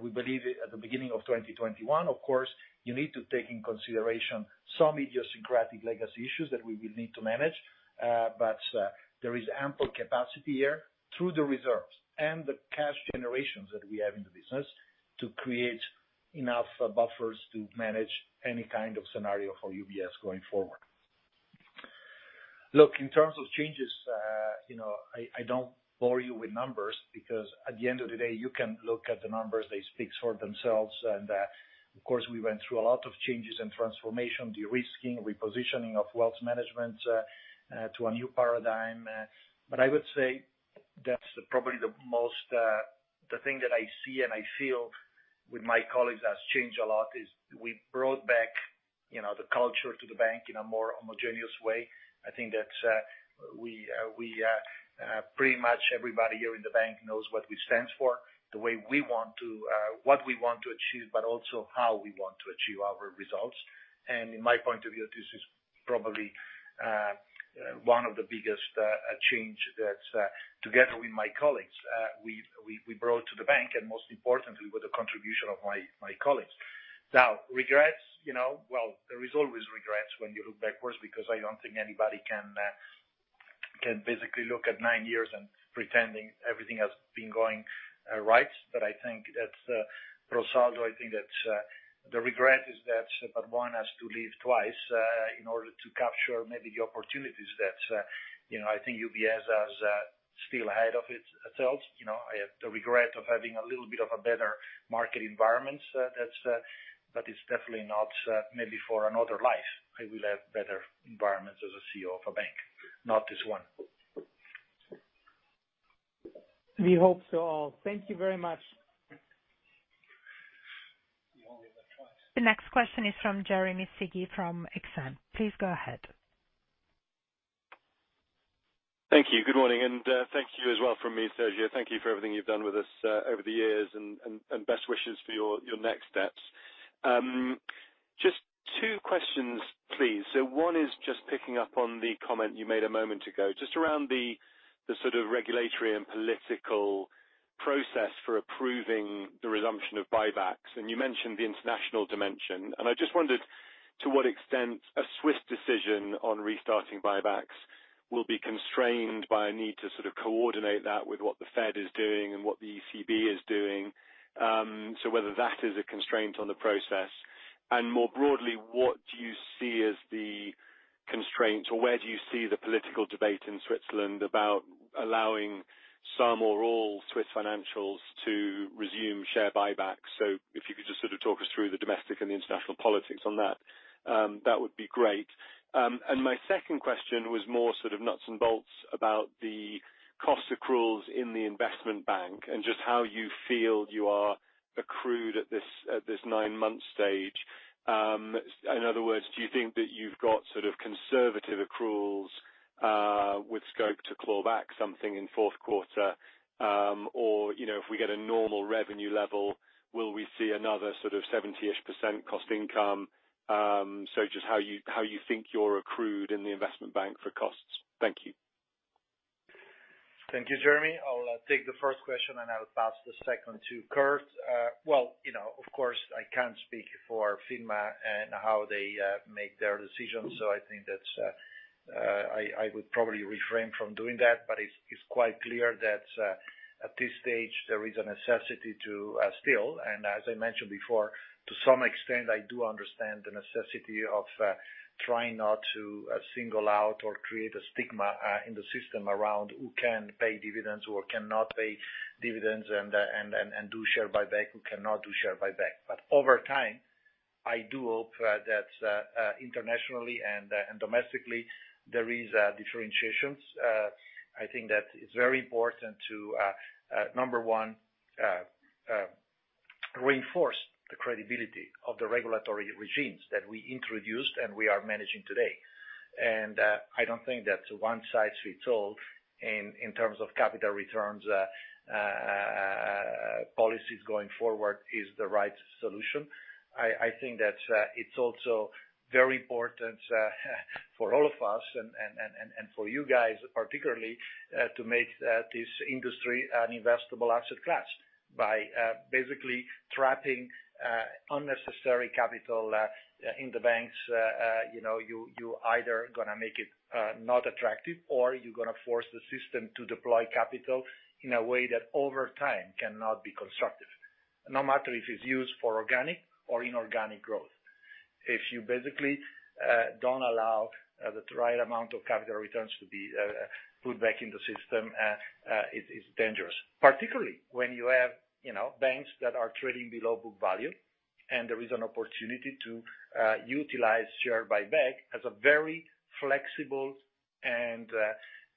We believe at the beginning of 2021, of course, you need to take into consideration some idiosyncratic legacy issues that we will need to manage. There is ample capacity here through the reserves and the cash generations that we have in the business to create enough buffers to manage any kind of scenario for UBS going forward. Look, in terms of changes, I don't bore you with numbers because at the end of the day, you can look at the numbers, they speak for themselves. Of course, we went through a lot of changes and transformation, de-risking, repositioning of Wealth Management to a new paradigm. I would say that's probably the thing that I see and I feel with my colleagues that's changed a lot, is we brought back the culture to the bank in a more homogeneous way. I think that pretty much everybody here in the bank knows what we stand for, what we want to achieve, but also how we want to achieve our results. In my point of view, this is probably one of the biggest change that together with my colleagues, we brought to the bank, and most importantly, with the contribution of my colleagues. Now, regrets, well, there is always regrets when you look backwards, because I don't think anybody can basically look at nine years and pretending everything has been going right. I think that's pro rata. I think that the regret is that, one has to leave twice, in order to capture maybe the opportunities that I think UBS has still ahead of itself. I have the regret of having a little bit of a better market environment, but it's definitely not, maybe for another life, I will have better environments as a CEO of a bank, not this one. We hope so. Thank you very much. You only live once. The next question is from Jeremy Sigee from Exane. Please go ahead. Thank you. Good morning, and thank you as well from me, Sergio. Thank you for everything you've done with us over the years, and best wishes for your next steps. Just two questions, please. One is just picking up on the comment you made a moment ago, just around the sort of regulatory and political process for approving the resumption of buybacks, and you mentioned the international dimension. I just wondered to what extent a Swiss decision on restarting buybacks will be constrained by a need to sort of coordinate that with what the Fed is doing and what the ECB is doing. Whether that is a constraint on the process. More broadly, what do you see as the constraints, or where do you see the political debate in Switzerland about allowing some or all Swiss financials to resume share buybacks? If you could just sort of talk us through the domestic and the international politics on that would be great. My second question was more sort of nuts and bolts about the cost accruals in the Investment Bank, and just how you feel you are accrued at this nine-month stage. In other words, do you think that you've got sort of conservative accruals, with scope to claw back something in fourth quarter? If we get a normal revenue level, will we see another sort of 70-ish% cost income? Just how you think you're accrued in the Investment Bank for costs. Thank you. Thank you, Jeremy. I'll take the first question, and I'll pass the second to Kirt. Of course, I can't speak for FINMA and how they make their decisions, so I think that I would probably refrain from doing that. It's quite clear that, at this stage, there is a necessity to still, and as I mentioned before, to some extent, I do understand the necessity of trying not to single out or create a stigma in the system around who can pay dividends or who cannot pay dividends, and do share buyback, who cannot do share buyback. Over time, I do hope that internationally and domestically, there is differentiations. I think that it's very important to, number one, reinforce the credibility of the regulatory regimes that we introduced and we are managing today. I don't think that a one-size-fits-all in terms of capital returns policies going forward is the right solution. I think that it's also very important for all of us and for you guys particularly, to make this industry an investable asset class by basically trapping unnecessary capital in the banks. You either going to make it not attractive, or you're going to force the system to deploy capital in a way that over time cannot be constructive. No matter if it's used for organic or inorganic growth. If you basically don't allow the right amount of capital returns to be put back in the system, it's dangerous. Particularly when you have banks that are trading below book value and there is an opportunity to utilize share buyback as a very flexible and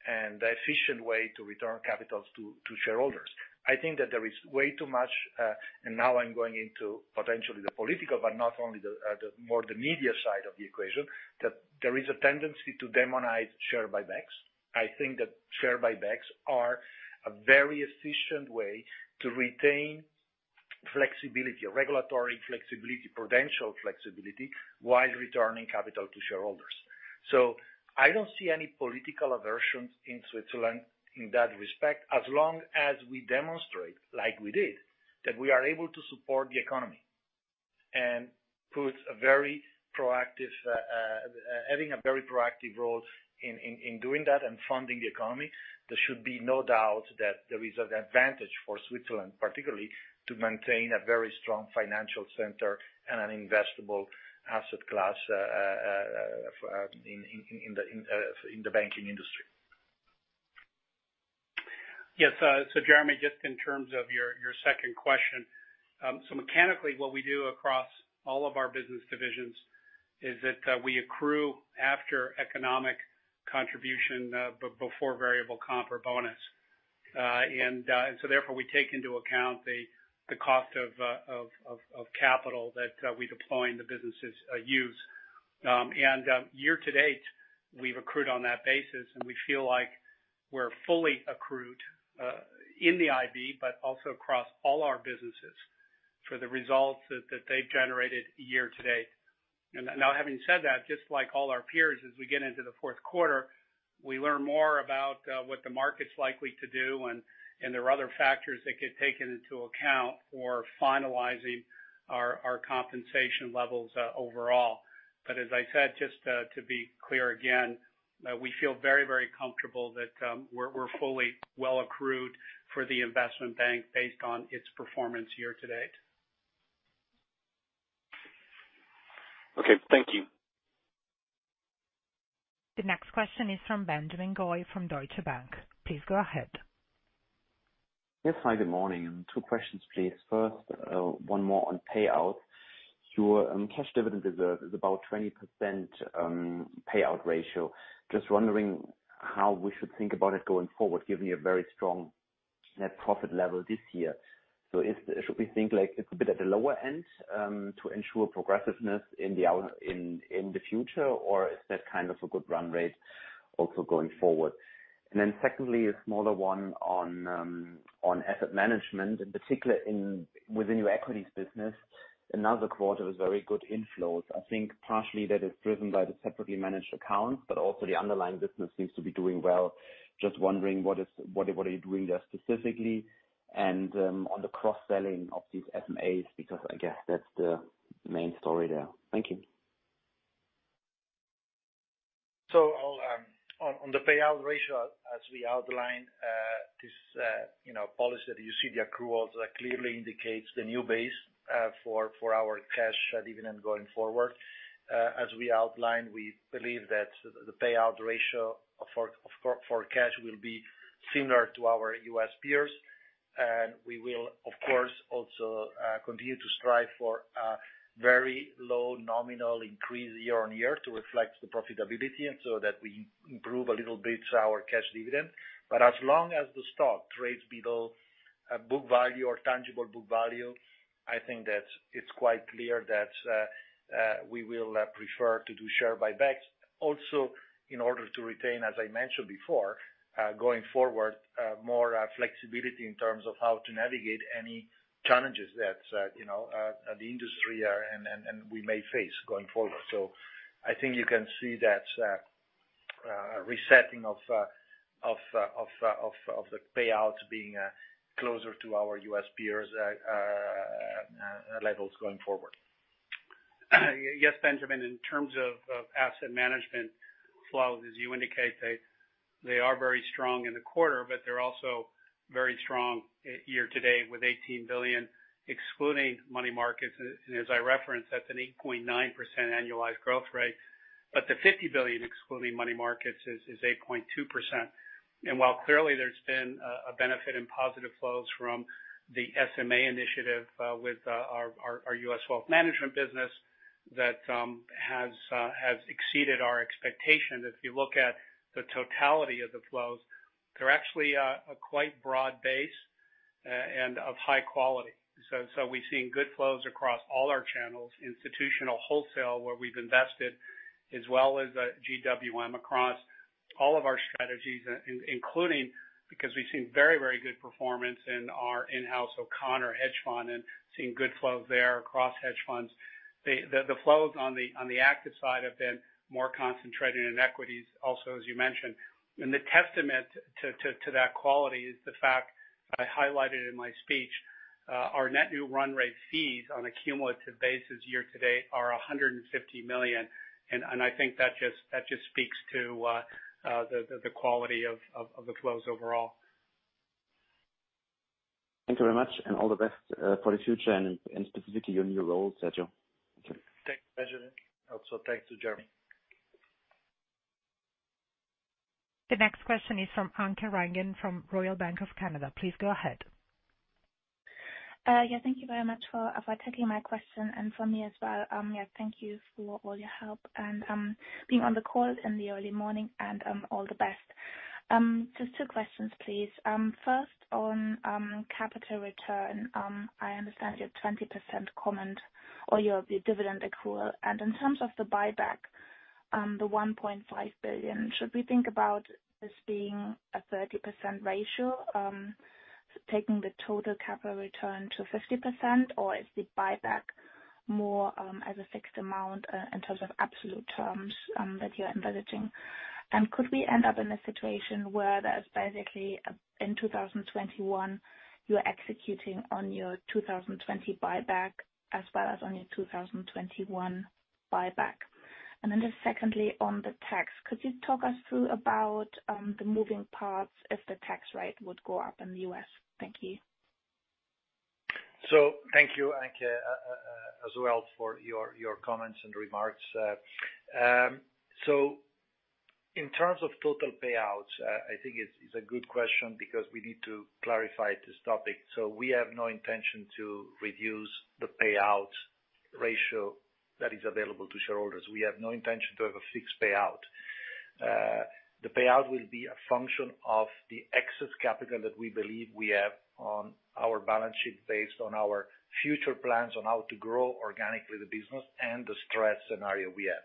efficient way to return capitals to shareholders. I think that there is way too much, now I'm going into potentially the political, but not only the more the media side of the equation, that there is a tendency to demonize share buybacks. I think that share buybacks are a very efficient way to retain flexibility or regulatory flexibility, prudential flexibility while returning capital to shareholders. I don't see any political aversions in Switzerland in that respect, as long as we demonstrate, like we did, that we are able to support the economy and having a very proactive role in doing that and funding the economy, there should be no doubt that there is an advantage for Switzerland, particularly to maintain a very strong financial center and an investable asset class in the banking industry. Yes. Jeremy, just in terms of your second question. Mechanically, what we do across all of our business divisions is that we accrue after economic contribution, before variable comp or bonus. Therefore, we take into account the cost of capital that we deploy and the businesses use. Year-to-date, we've accrued on that basis, and we feel like we're fully accrued, in the IB, but also across all our businesses for the results that they've generated year-to-date. Now, having said that, just like all our peers, as we get into the fourth quarter, we learn more about what the market's likely to do, and there are other factors that get taken into account for finalizing our compensation levels overall. As I said, just to be clear again, we feel very comfortable that we're fully well accrued for the Investment Bank based on its performance year-to-date. Okay. Thank you. The next question is from Benjamin Goy from Deutsche Bank. Please go ahead. Yes. Hi, good morning. Two questions, please. First, one more on payout. Your cash dividend reserve is about 20% payout ratio. Just wondering how we should think about it going forward, given your very strong net profit level this year. Should we think it's a bit at the lower end, to ensure progressiveness in the future, or is that kind of a good run rate also going forward? Secondly, a smaller one on asset management, in particular within your equities business. Another quarter was very good inflows. I think partially that is driven by the Separately Managed Accounts, but also the underlying business seems to be doing well. Just wondering what are you doing there specifically and on the cross-selling of these SMAs, because I guess that's the main story there. Thank you. On the payout ratio, as we outlined, this policy that you see, the accruals clearly indicates the new base for our cash dividend going forward. As we outlined, we believe that the payout ratio for cash will be similar to our U.S. peers. We will, of course, also continue to strive for a very low nominal increase year-on-year to reflect the profitability and so that we improve a little bit our cash dividend. As long as the stock trades below book value or tangible book value, I think that it's quite clear that we will prefer to do share buybacks also in order to retain, as I mentioned before, going forward, more flexibility in terms of how to navigate any challenges that the industry and we may face going forward. I think you can see that resetting of the payouts being closer to our U.S. peers levels going forward. Yes, Benjamin. In terms of asset management flows, as you indicate, they are very strong in the quarter, but they're also very strong year-to-date with $18 billion excluding money markets. As I referenced, that's an 8.9% annualized growth rate. The $50 billion excluding money markets is 8.2%. While clearly there's been a benefit in positive flows from the SMA initiative with our U.S. Wealth Management business that has exceeded our expectations, if you look at the totality of the flows, they're actually a quite broad base and of high quality. We've seen good flows across all our channels, institutional wholesale, where we've invested, as well as GWM across all of our strategies, including because we've seen very good performance in our in-house O'Connor hedge fund and seen good flows there across hedge funds. The flows on the active side have been more concentrated in equities also, as you mentioned. The testament to that quality is the fact I highlighted in my speech, our net new run rate fees on a cumulative basis year-to-date are 150 million. I think that just speaks to the quality of the flows overall. Thank you very much and all the best for the future and specifically your new role, Sergio. Thanks, Benjamin. Also, thanks to Jeremy. The next question is from Anke Reingen from Royal Bank of Canada. Please go ahead. Yeah. Thank you very much for taking my question. For me as well, thank you for all your help and being on the call in the early morning. All the best. Just two questions, please. First on capital return. I understand your 20% comment or your dividend accrual. In terms of the buyback, the $1.5 billion, should we think about this being a 30% ratio? Taking the total capital return to 50%, or is the buyback more as a fixed amount in terms of absolute terms that you're envisaging? Could we end up in a situation where there's basically, in 2021, you're executing on your 2020 buyback as well as on your 2021 buyback? Just secondly, on the tax, could you talk us through about the moving parts if the tax rate would go up in the U.S.? Thank you. Thank you, Anke, as well for your comments and remarks. In terms of total payouts, I think it's a good question because we need to clarify this topic. We have no intention to reduce the payout ratio that is available to shareholders. We have no intention to have a fixed payout. The payout will be a function of the excess capital that we believe we have on our balance sheet based on our future plans on how to grow organically the business and the stress scenario we have.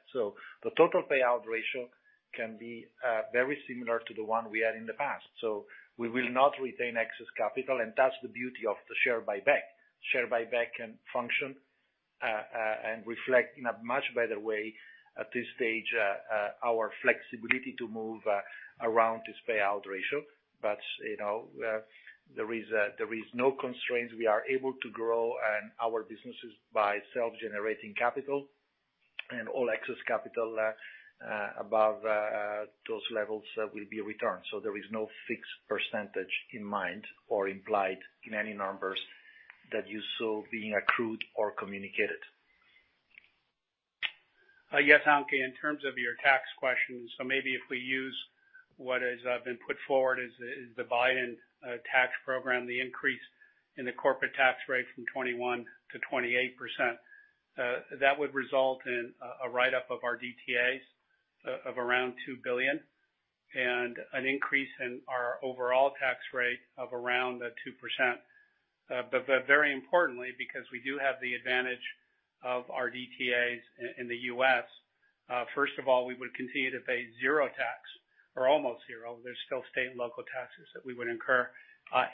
The total payout ratio can be very similar to the one we had in the past. We will not retain excess capital, and that's the beauty of the share buyback. Share buyback can function and reflect in a much better way at this stage our flexibility to move around this payout ratio. There is no constraints. We are able to grow our businesses by self-generating capital, and all excess capital above those levels will be returned. There is no fixed percentage in mind or implied in any numbers that you saw being accrued or communicated. Yes, Anke, in terms of your tax question, maybe if we use what has been put forward as the Biden tax program, the increase in the corporate tax rate from 21%-28%. That would result in a write-up of our DTAs of around $2 billion and an increase in our overall tax rate of around 2%. Very importantly, because we do have the advantage of our DTAs in the U.S., first of all, we would continue to pay zero tax or almost zero. There's still state and local taxes that we would incur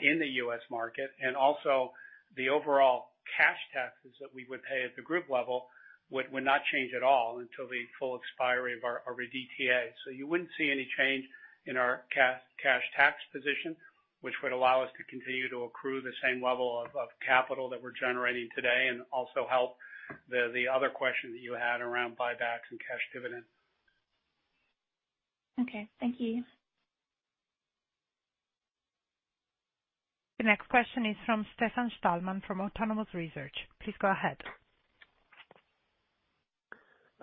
in the U.S. market. Also the overall cash taxes that we would pay at the group level would not change at all until the full expiry of our DTA. You wouldn't see any change in our cash tax position, which would allow us to continue to accrue the same level of capital that we're generating today and also help the other question that you had around buybacks and cash dividend. Okay. Thank you. The next question is from Stefan Stalmann, from Autonomous Research. Please go ahead.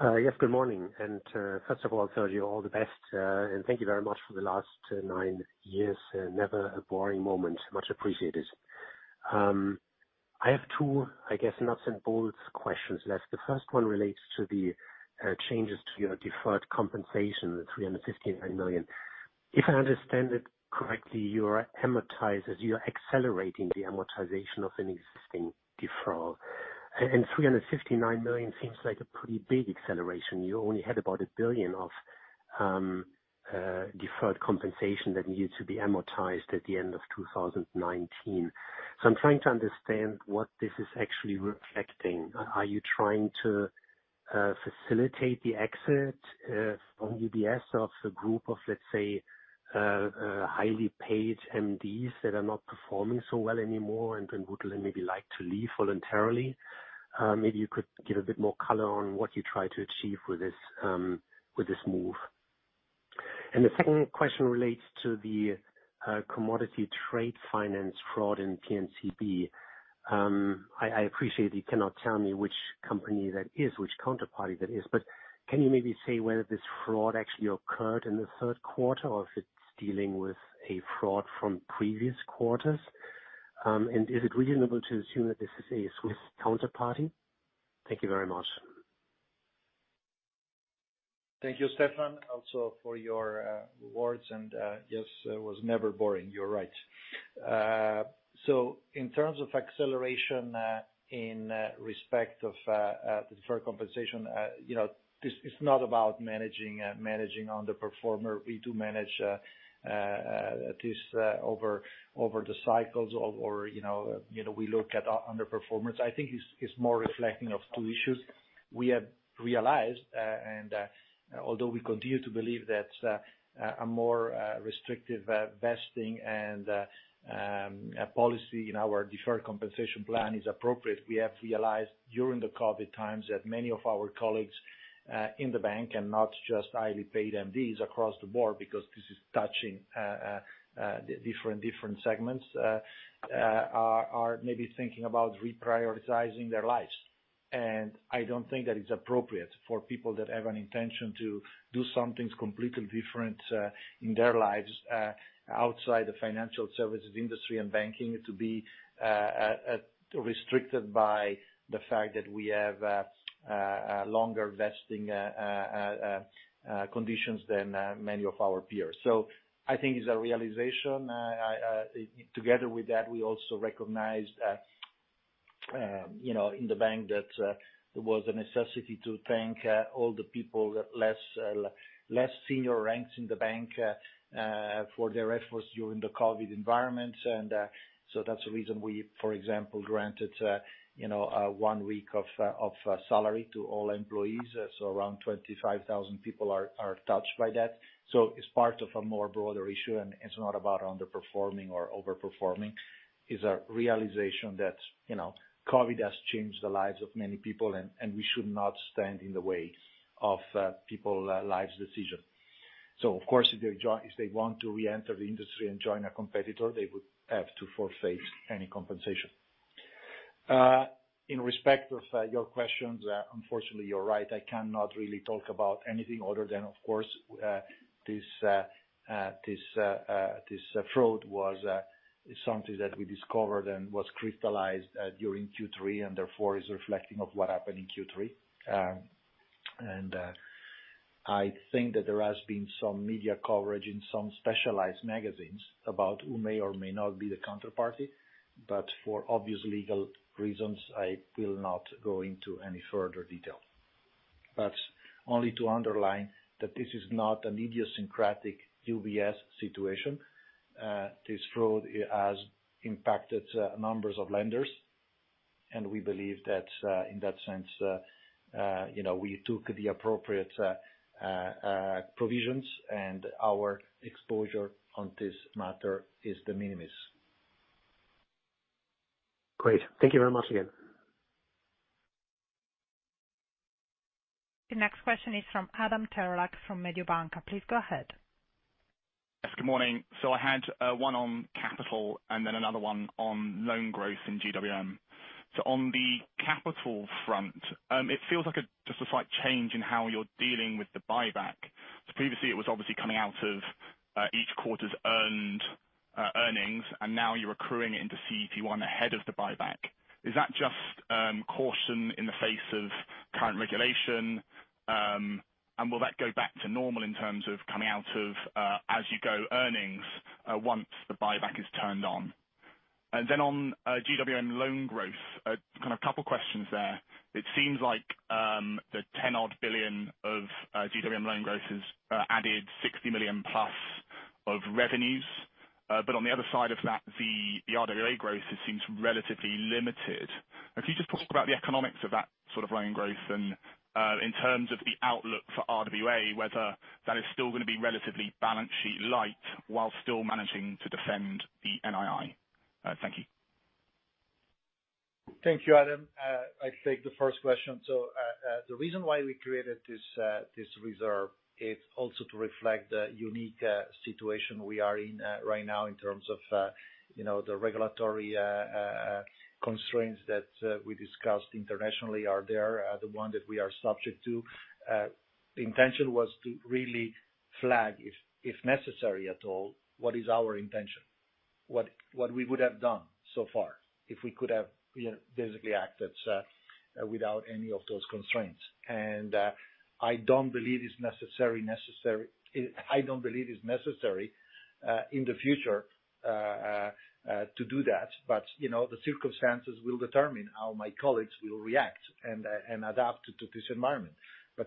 Yes, good morning. First of all, Sergio, all the best, and thank you very much for the last nine years. Never a boring moment. Much appreciated. I have two, I guess, nuts and bolts questions left. The first one relates to the changes to your deferred compensation, the $359 million. If I understand it correctly, you're accelerating the amortization of an existing deferral, and $359 million seems like a pretty big acceleration. You only had about 1 billion of deferred compensation that needed to be amortized at the end of 2019. I'm trying to understand what this is actually reflecting. Are you trying to facilitate the exit from UBS of the group of, let's say, highly paid MDs that are not performing so well anymore and would maybe like to leave voluntarily? Maybe you could give a bit more color on what you try to achieve with this move. The second question relates to the commodity trade finance fraud in P&C. I appreciate you cannot tell me which company that is, which counterparty that is. Can you maybe say whether this fraud actually occurred in the third quarter, or if it is dealing with a fraud from previous quarters? Is it reasonable to assume that this is a Swiss counterparty? Thank you very much. Thank you, Stefan, also for your words. Yes, it was never boring. You're right. In terms of acceleration in respect of deferred compensation, it's not about managing underperformer. We do manage this over the cycles or we look at underperformance. I think it's more reflecting of two issues. We have realized, and although we continue to believe that a more restrictive vesting and policy in our deferred compensation plan is appropriate, we have realized during the COVID times that many of our colleagues in the bank, and not just highly paid MDs across the board, because this is touching different segments, are maybe thinking about reprioritizing their lives. I don't think that it's appropriate for people that have an intention to do something completely different in their lives outside the financial services industry and banking to be restricted by the fact that we have longer vesting conditions than many of our peers. I think it's a realization. Together with that, we also recognized in the bank that there was a necessity to thank all the people, less senior ranks in the bank for their efforts during the COVID environment. That's the reason we, for example, granted one week of salary to all employees. Around 25,000 people are touched by that. It's part of a more broader issue, and it's not about underperforming or over-performing. It's a realization that COVID has changed the lives of many people, and we should not stand in the way of people's life decisions. Of course, if they want to reenter the industry and join a competitor, they would have to forfeit any compensation. In respect of your questions, unfortunately, you're right, I cannot really talk about anything other than, of course, this fraud was something that we discovered and was crystallized during Q3, therefore is reflecting of what happened in Q3. I think that there has been some media coverage in some specialized magazines about who may or may not be the counterparty. For obvious legal reasons, I will not go into any further detail. Only to underline that this is not an idiosyncratic UBS situation. This fraud has impacted numbers of lenders, and we believe that in that sense, we took the appropriate provisions and our exposure on this matter is de minimis. Great. Thank you very much again. The next question is from Adam Terelak from Mediobanca. Please go ahead. Yes, good morning. I had one on capital and then another one on loan growth in GWM. On the capital front, it feels like just a slight change in how you're dealing with the buyback. Previously, it was obviously coming out of each quarter's earnings, and now you're accruing it into CET1 ahead of the buyback. Is that just caution in the face of current regulation? Will that go back to normal in terms of coming out of as-you-go earnings once the buyback is turned on? Then on GWM loan growth, a kind of couple questions there. It seems like the 10-odd billion of GWM loan growth has added 60 million+ of revenues. On the other side of that, the RWA growth seems relatively limited. Can you just talk about the economics of that sort of loan growth and, in terms of the outlook for RWA, whether that is still going to be relatively balance sheet light while still managing to defend the NII? Thank you. Thank you, Adam. I'll take the first question. The reason why we created this reserve is also to reflect the unique situation we are in right now in terms of the regulatory constraints that we discussed internationally are there, the one that we are subject to. The intention was to really flag, if necessary at all, what is our intention, what we would have done so far if we could have basically acted without any of those constraints. I don't believe it's necessary in the future to do that. The circumstances will determine how my colleagues will react and adapt to this environment.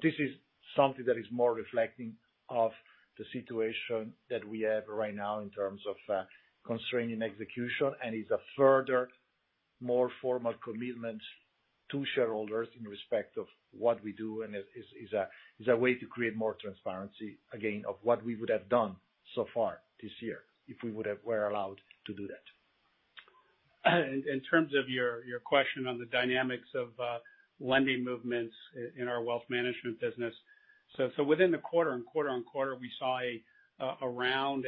This is something that is more reflecting of the situation that we have right now in terms of constraining execution, and is a further, more formal commitment to shareholders in respect of what we do and is a way to create more transparency, again, of what we would have done so far this year if we were allowed to do that. In terms of your question on the dynamics of lending movements in our Wealth Management business. Within the quarter and quarter-on-quarter, we saw around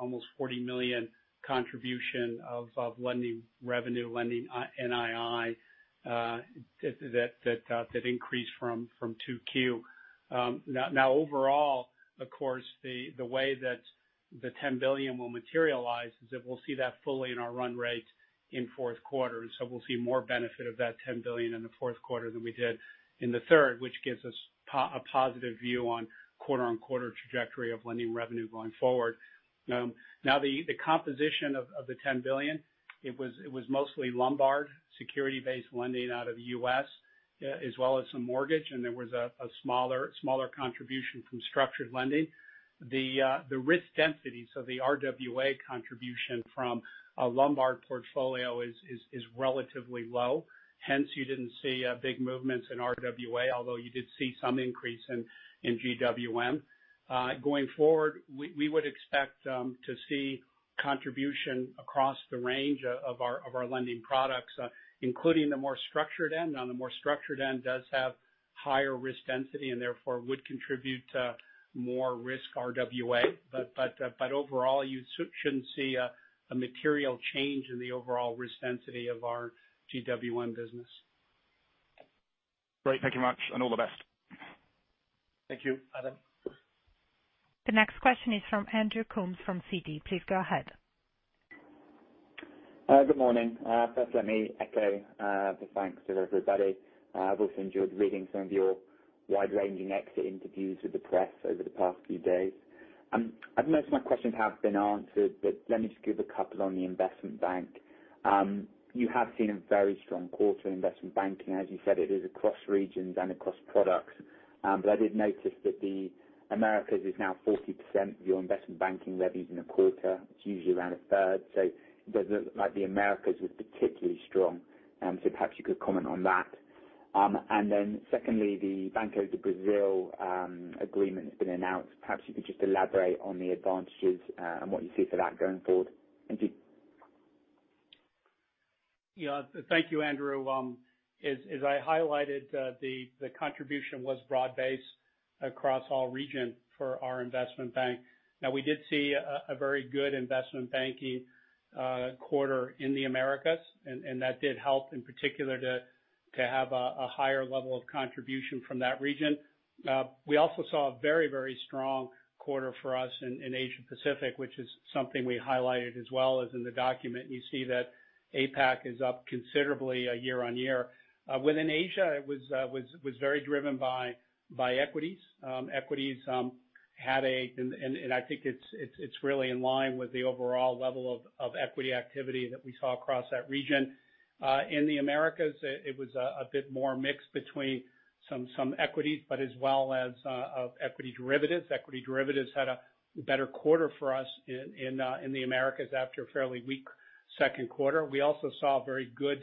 almost 40 million contribution of lending revenue, lending NII, that increased from 2Q. Overall, of course, the way that the 10 billion will materialize is that we'll see that fully in our run rate in fourth quarter. We'll see more benefit of that 10 billion in the fourth quarter than we did in the third, which gives us a positive view on quarter-on-quarter trajectory of lending revenue going forward. The composition of the 10 billion, it was mostly Lombard security-based lending out of the U.S. as well as some mortgage, and there was a smaller contribution from structured lending. The risk density, so the RWA contribution from a Lombard portfolio is relatively low. Hence, you didn't see big movements in RWA, although you did see some increase in GWM. Going forward, we would expect to see contribution across the range of our lending products, including the more structured end. Now, the more structured end does have higher risk density and therefore would contribute to more risk RWA. Overall, you shouldn't see a material change in the overall risk density of our GWM business. Great. Thank you much, and all the best. Thank you, Adam. The next question is from Andrew Coombs from Citi. Please go ahead. Good morning. First let me echo the thanks to everybody. I've also enjoyed reading some of your wide-ranging exit interviews with the press over the past few days. Most of my questions have been answered, but let me just give a couple on the Investment Bank. You have seen a very strong quarter in Investment Banking, as you said, it is across regions and across products. I did notice that the Americas is now 40% of your Investment Banking revenues in the quarter. It's usually around a third. It does look like the Americas was particularly strong. Perhaps you could comment on that. Secondly, the Banco do Brasil agreement has been announced. Perhaps you could just elaborate on the advantages, and what you see for that going forward. Thank you. Yeah. Thank you, Andrew. As I highlighted, the contribution was broad-based across all region for our Investment Bank. Now, we did see a very good Investment Banking quarter in the Americas, and that did help in particular to have a higher level of contribution from that region. We also saw a very strong quarter for us in Asia Pacific, which is something we highlighted as well as in the document. You see that APAC is up considerably year-on-year. Within Asia, it was very driven by equities. Equities, and I think it's really in line with the overall level of equity activity that we saw across that region. In the Americas, it was a bit more mixed between some equities, but as well as of equity derivatives. Equity derivatives had a better quarter for us in the Americas after a fairly weak second quarter. We also saw very good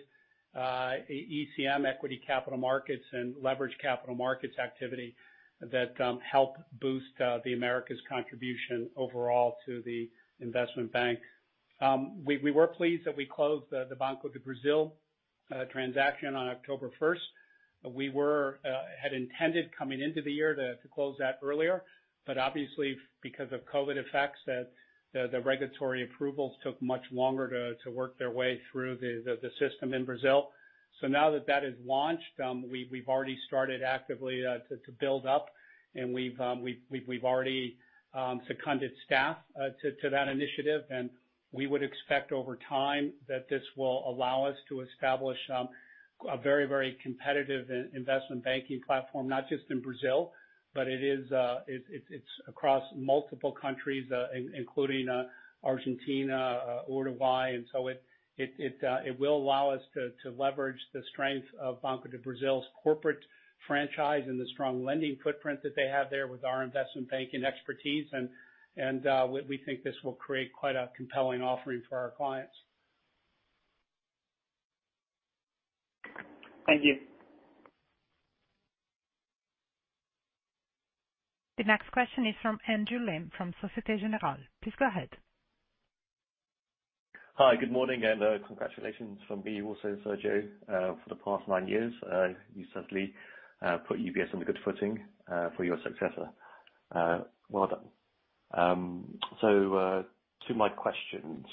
ECM, equity capital markets, and leverage capital markets activity that helped boost the Americas contribution overall to the Investment Bank. We were pleased that we closed the Banco do Brasil transaction on October 1st. Obviously because of COVID effects, the regulatory approvals took much longer to work their way through the system in Brazil. Now that that is launched, we've already started actively to build up, and we've already seconded staff to that initiative. We would expect over time that this will allow us to establish a very competitive in investment banking platform, not just in Brazil, but it's across multiple countries, including Argentina, Uruguay. It will allow us to leverage the strength of Banco do Brasil's corporate franchise and the strong lending footprint that they have there with our investment banking expertise. We think this will create quite a compelling offering for our clients. Thank you. The next question is from Andrew Lim from Société Générale. Please go ahead. Hi, good morning. Congratulations from me also, Sergio, for the past nine years. You certainly put UBS on a good footing for your successor. Well done. To my questions.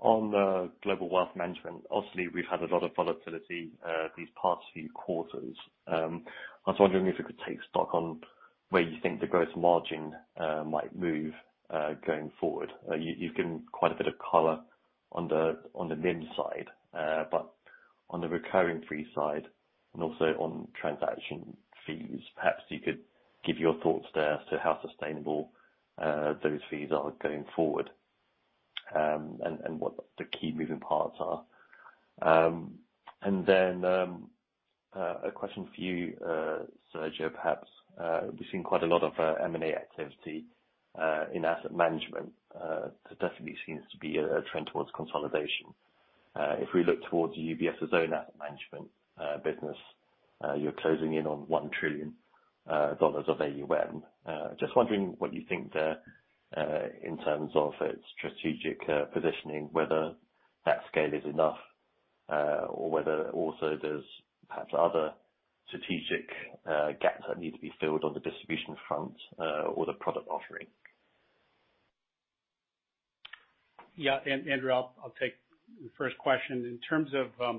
On the Global Wealth Management, obviously, we've had a lot of volatility these past few quarters. I was wondering if you could take stock on where you think the gross margin might move, going forward. You've given quite a bit of color on the NIM side, but on the recurring fee side and also on transaction fees, perhaps you could give your thoughts there as to how sustainable those fees are going forward, and what the key moving parts are. A question for you, Sergio, perhaps. We've seen quite a lot of M&A activity, in asset management. There definitely seems to be a trend towards consolidation. If we look towards UBS's own Asset Management business, you're closing in on $1 trillion of AUM. Just wondering what you think there, in terms of its strategic positioning, whether that scale is enough, or whether also there's perhaps other strategic gaps that need to be filled on the distribution front, or the product offering? Andrew, I'll take the first question. In terms of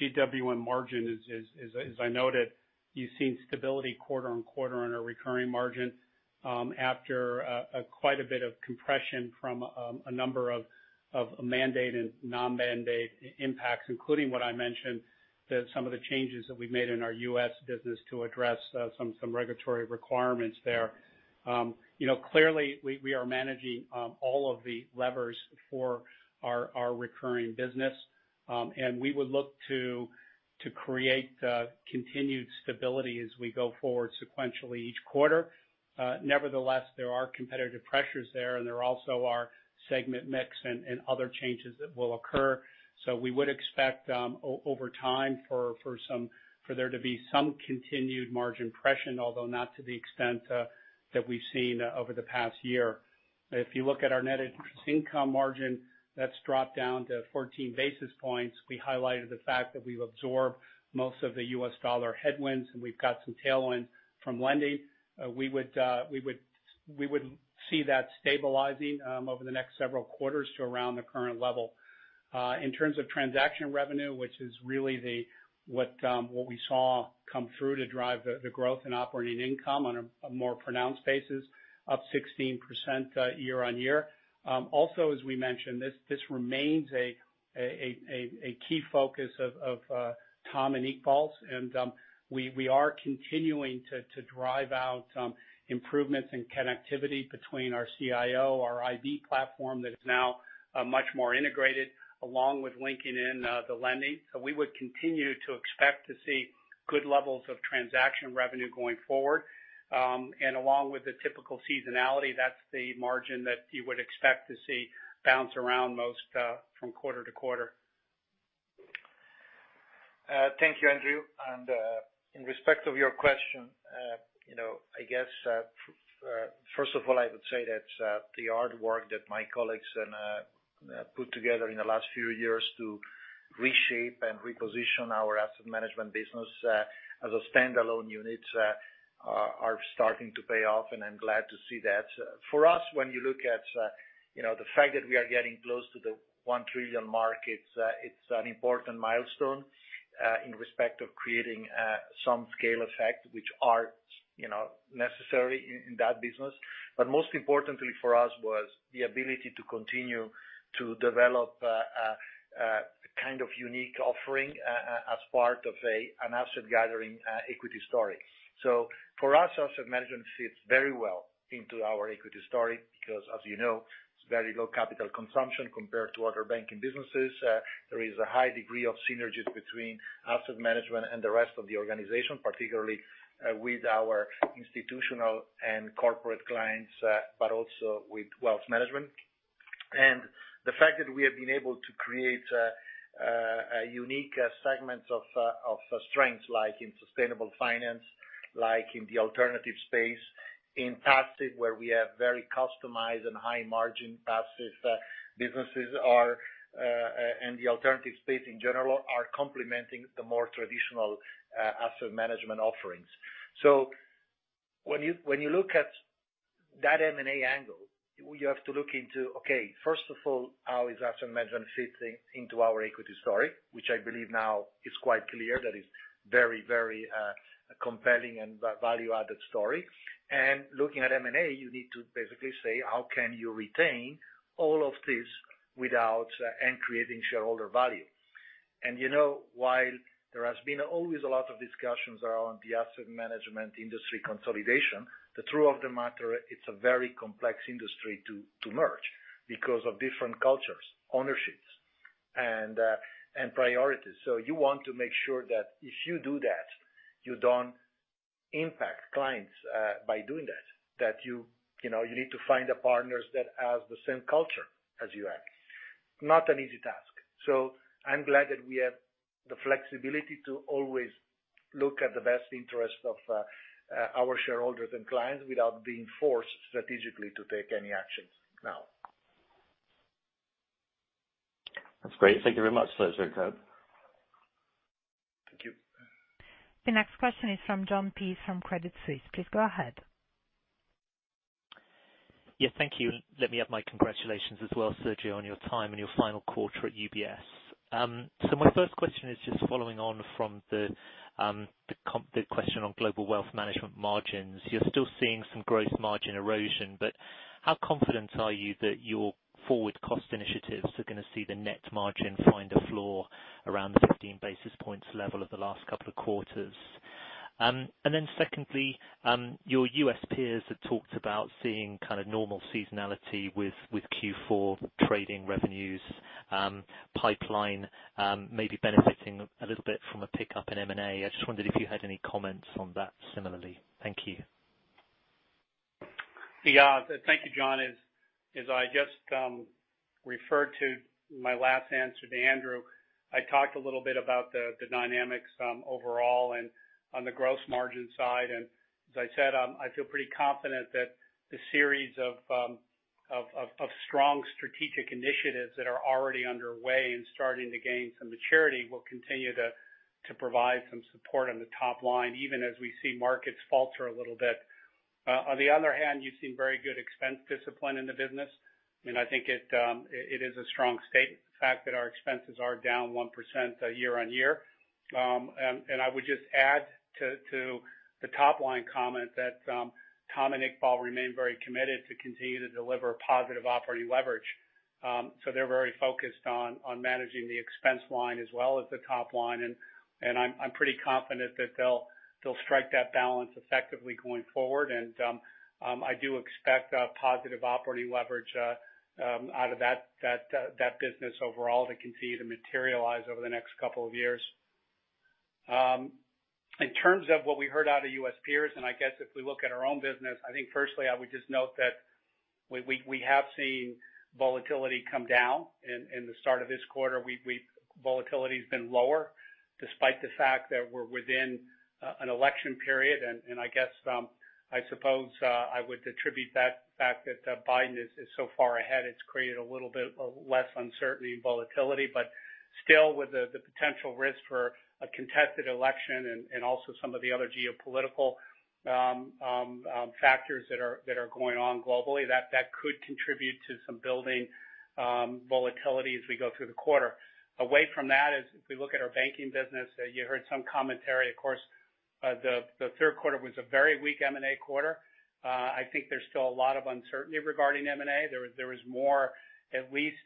GWM margin, as I noted, you've seen stability quarter-on-quarter on a recurring margin, after quite a bit of compression from a number of mandate and non-mandate impacts, including what I mentioned, some of the changes that we've made in our U.S. business to address some regulatory requirements there. We would look to create continued stability as we go forward sequentially each quarter. Nevertheless, there are competitive pressures there, and there also are segment mix and other changes that will occur. We would expect, over time, for there to be some continued margin compression, although not to the extent that we've seen over the past year. If you look at our net interest income margin, that's dropped down to 14 basis points. We highlighted the fact that we've absorbed most of the U.S. dollar headwinds, and we've got some tailwind from lending. We would see that stabilizing over the next several quarters to around the current level. In terms of transaction revenue, which is really what we saw come through to drive the growth in operating income on a more pronounced basis, up 16% year-on-year. As we mentioned, this remains a key focus of Tom and Iqbal, and we are continuing to drive out improvements in connectivity between our CIO, our IB platform that is now much more integrated, along with linking in the lending. We would continue to expect to see good levels of transaction revenue going forward. Along with the typical seasonality, that's the margin that you would expect to see bounce around most from quarter-to-quarter. Thank you, Andrew. In respect of your question, I guess, first of all, I would say that the hard work that my colleagues put together in the last few years to reshape and reposition our Asset Management business as a standalone unit are starting to pay off, and I'm glad to see that. For us, when you look at the fact that we are getting close to the $1 trillion mark, it's an important milestone in respect of creating some scale effect, which are necessary in that business. Most importantly for us was the ability to continue to develop a kind of unique offering as part of an asset gathering equity story. For us, Asset Management fits very well into our equity story because, as you know, it's very low capital consumption compared to other banking businesses. There is a high degree of synergies between asset management and the rest of the organization, particularly with our institutional and corporate clients, but also with wealth management. The fact that we have been able to create a unique segment of strengths, like in sustainable finance, like in the alternative space, in passive, where we have very customized and high-margin passive businesses, and the alternative space in general, are complementing the more traditional asset management offerings. When you look at that M&A angle, you have to look into, okay, first of all, how is asset management fitting into our equity story, which I believe now is quite clear, that is very compelling and value-added story. Looking at M&A, you need to basically say, how can you retain all of this and creating shareholder value? While there has been always a lot of discussions around the asset management industry consolidation, the truth of the matter, it's a very complex industry to merge because of different cultures, ownerships, and priorities. You want to make sure that if you do that, you don't impact clients by doing that you need to find the partners that have the same culture as you have. Not an easy task. I'm glad that we have the flexibility to always look at the best interest of our shareholders and clients without being forced strategically to take any actions now. That's great. Thank you very much, Sergio. Thank you. The next question is from Jon Peace from Credit Suisse. Please go ahead. Thank you. Let me add my congratulations as well, Sergio, on your time and your final quarter at UBS. My first question is just following on from the question on Global Wealth Management margins. You're still seeing some growth margin erosion, but how confident are you that your forward cost initiatives are going to see the net margin find a floor around the 15 basis points level of the last couple of quarters? Secondly, your U.S. peers have talked about seeing kind of normal seasonality with Q4 trading revenues pipeline, maybe benefiting a little bit from a pickup in M&A. I just wondered if you had any comments on that similarly. Thank you. Yeah. Thank you, Jon. As I just referred to my last answer to Andrew, I talked a little bit about the dynamics overall and on the gross margin side. As I said, I feel pretty confident that the series of strong strategic initiatives that are already underway and starting to gain some maturity will continue to provide some support on the top-line, even as we see markets falter a little bit. On the other hand, you've seen very good expense discipline in the business, and I think it is a strong statement, the fact that our expenses are down 1% year-on-year. I would just add to the top-line comment that Tom and Iqbal remain very committed to continue to deliver positive operating leverage. They're very focused on managing the expense line as well as the top line, and I'm pretty confident that they'll strike that balance effectively going forward. I do expect a positive operating leverage out of that business overall to continue to materialize over the next couple of years. In terms of what we heard out of U.S. peers, and I guess if we look at our own business, I think firstly, I would just note that we have seen volatility come down in the start of this quarter. Volatility's been lower despite the fact that we're within an election period, and I guess, I suppose, I would attribute that Biden is so far ahead, it's created a little bit of less uncertainty and volatility. Still with the potential risk for a contested election and also some of the other geopolitical factors that are going on globally, that could contribute to some building volatility as we go through the quarter. Away from that is, if we look at our Banking business, you heard some commentary, of course. The third quarter was a very weak M&A quarter. I think there's still a lot of uncertainty regarding M&A. There was more at least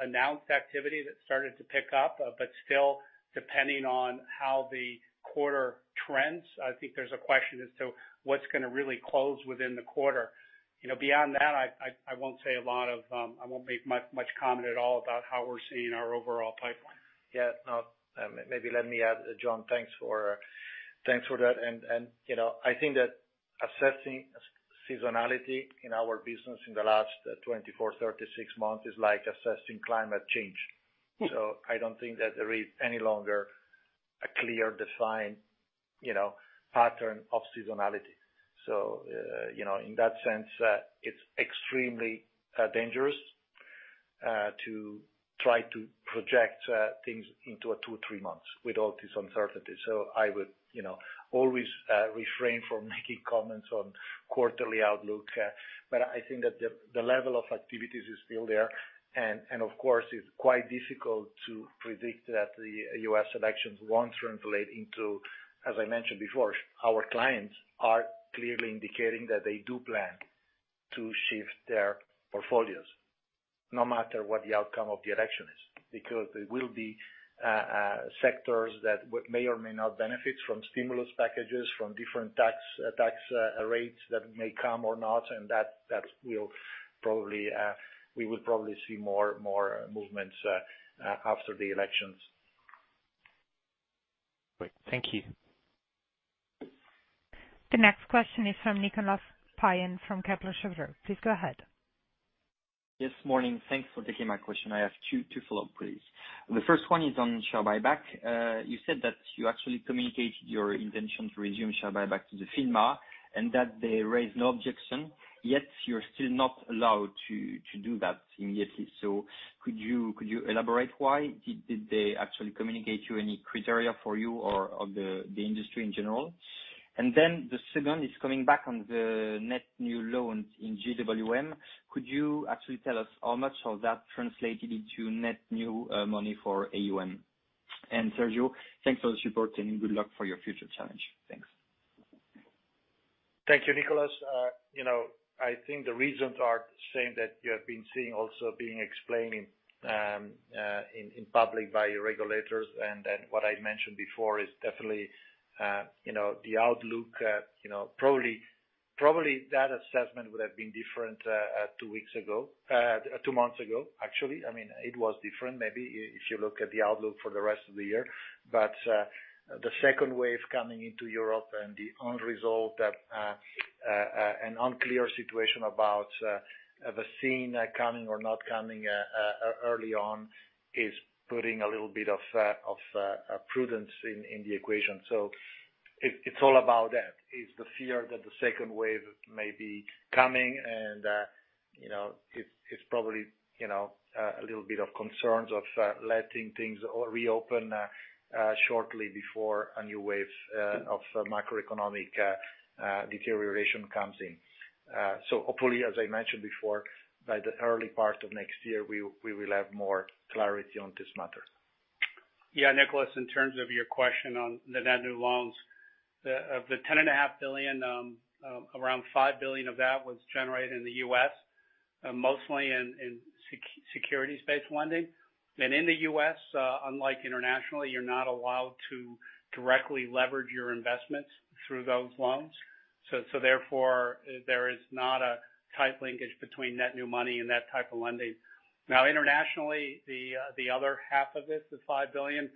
announced activity that started to pick up. Still depending on how the quarter trends, I think there's a question as to what's going to really close within the quarter. Beyond that, I won't make much comment at all about how we're seeing our overall pipeline. Yeah. Maybe let me add, Jon, thanks for that. I think that assessing seasonality in our business in the last 24, 36 months is like assessing climate change. I don't think that there is any longer a clear defined pattern of seasonality. In that sense, it's extremely dangerous to try to project things into two or three months with all this uncertainty. I would always refrain from making comments on quarterly outlook. I think that the level of activities is still there, and of course, it's quite difficult to predict that the U.S. elections. As I mentioned before, our clients are clearly indicating that they do plan to shift their portfolios no matter what the outcome of the election is, because there will be sectors that may or may not benefit from stimulus packages, from different tax rates that may come or not, and that we will probably see more movements after the elections. Great. Thank you. The next question is from Nicolas Payen from Kepler Cheuvreux. Please go ahead. Yes, morning. Thanks for taking my question. I have two follow-up, please. The first one is on share buyback. You said that you actually communicated your intention to resume share buyback to the FINMA and that they raised no objection. You're still not allowed to do that immediately. Could you elaborate why? Did they actually communicate any criteria for you or the industry in general? The second is coming back on the net new loans in GWM. Could you actually tell us how much of that translated into net new money for AUM? Sergio, thanks for the support and good luck for your future challenge. Thanks. Thank you, Nicolas. I think the reasons are same that you have been seeing also being explained in public by your regulators. What I mentioned before is definitely the outlook. Probably that assessment would have been different two months ago, actually. It was different, maybe if you look at the outlook for the rest of the year. The second wave coming into Europe and the unresolved and unclear situation about the vaccine coming or not coming early on is putting a little bit of prudence in the equation. It's all about that. It's the fear that the second wave may be coming and it's probably a little bit of concerns of letting things reopen shortly before a new wave of macroeconomic deterioration comes in. Hopefully, as I mentioned before, by the early part of next year, we will have more clarity on this matter. Yeah, Nicolas, in terms of your question on the net new loans, of the $10.5 billion, around $5 billion of that was generated in the U.S., mostly in securities-based lending. In the U.S. unlike internationally, you're not allowed to directly leverage your investments through those loans. Therefore, there is not a tight linkage between net new money and that type of lending. Now, internationally, the other half of it, the $5 billion,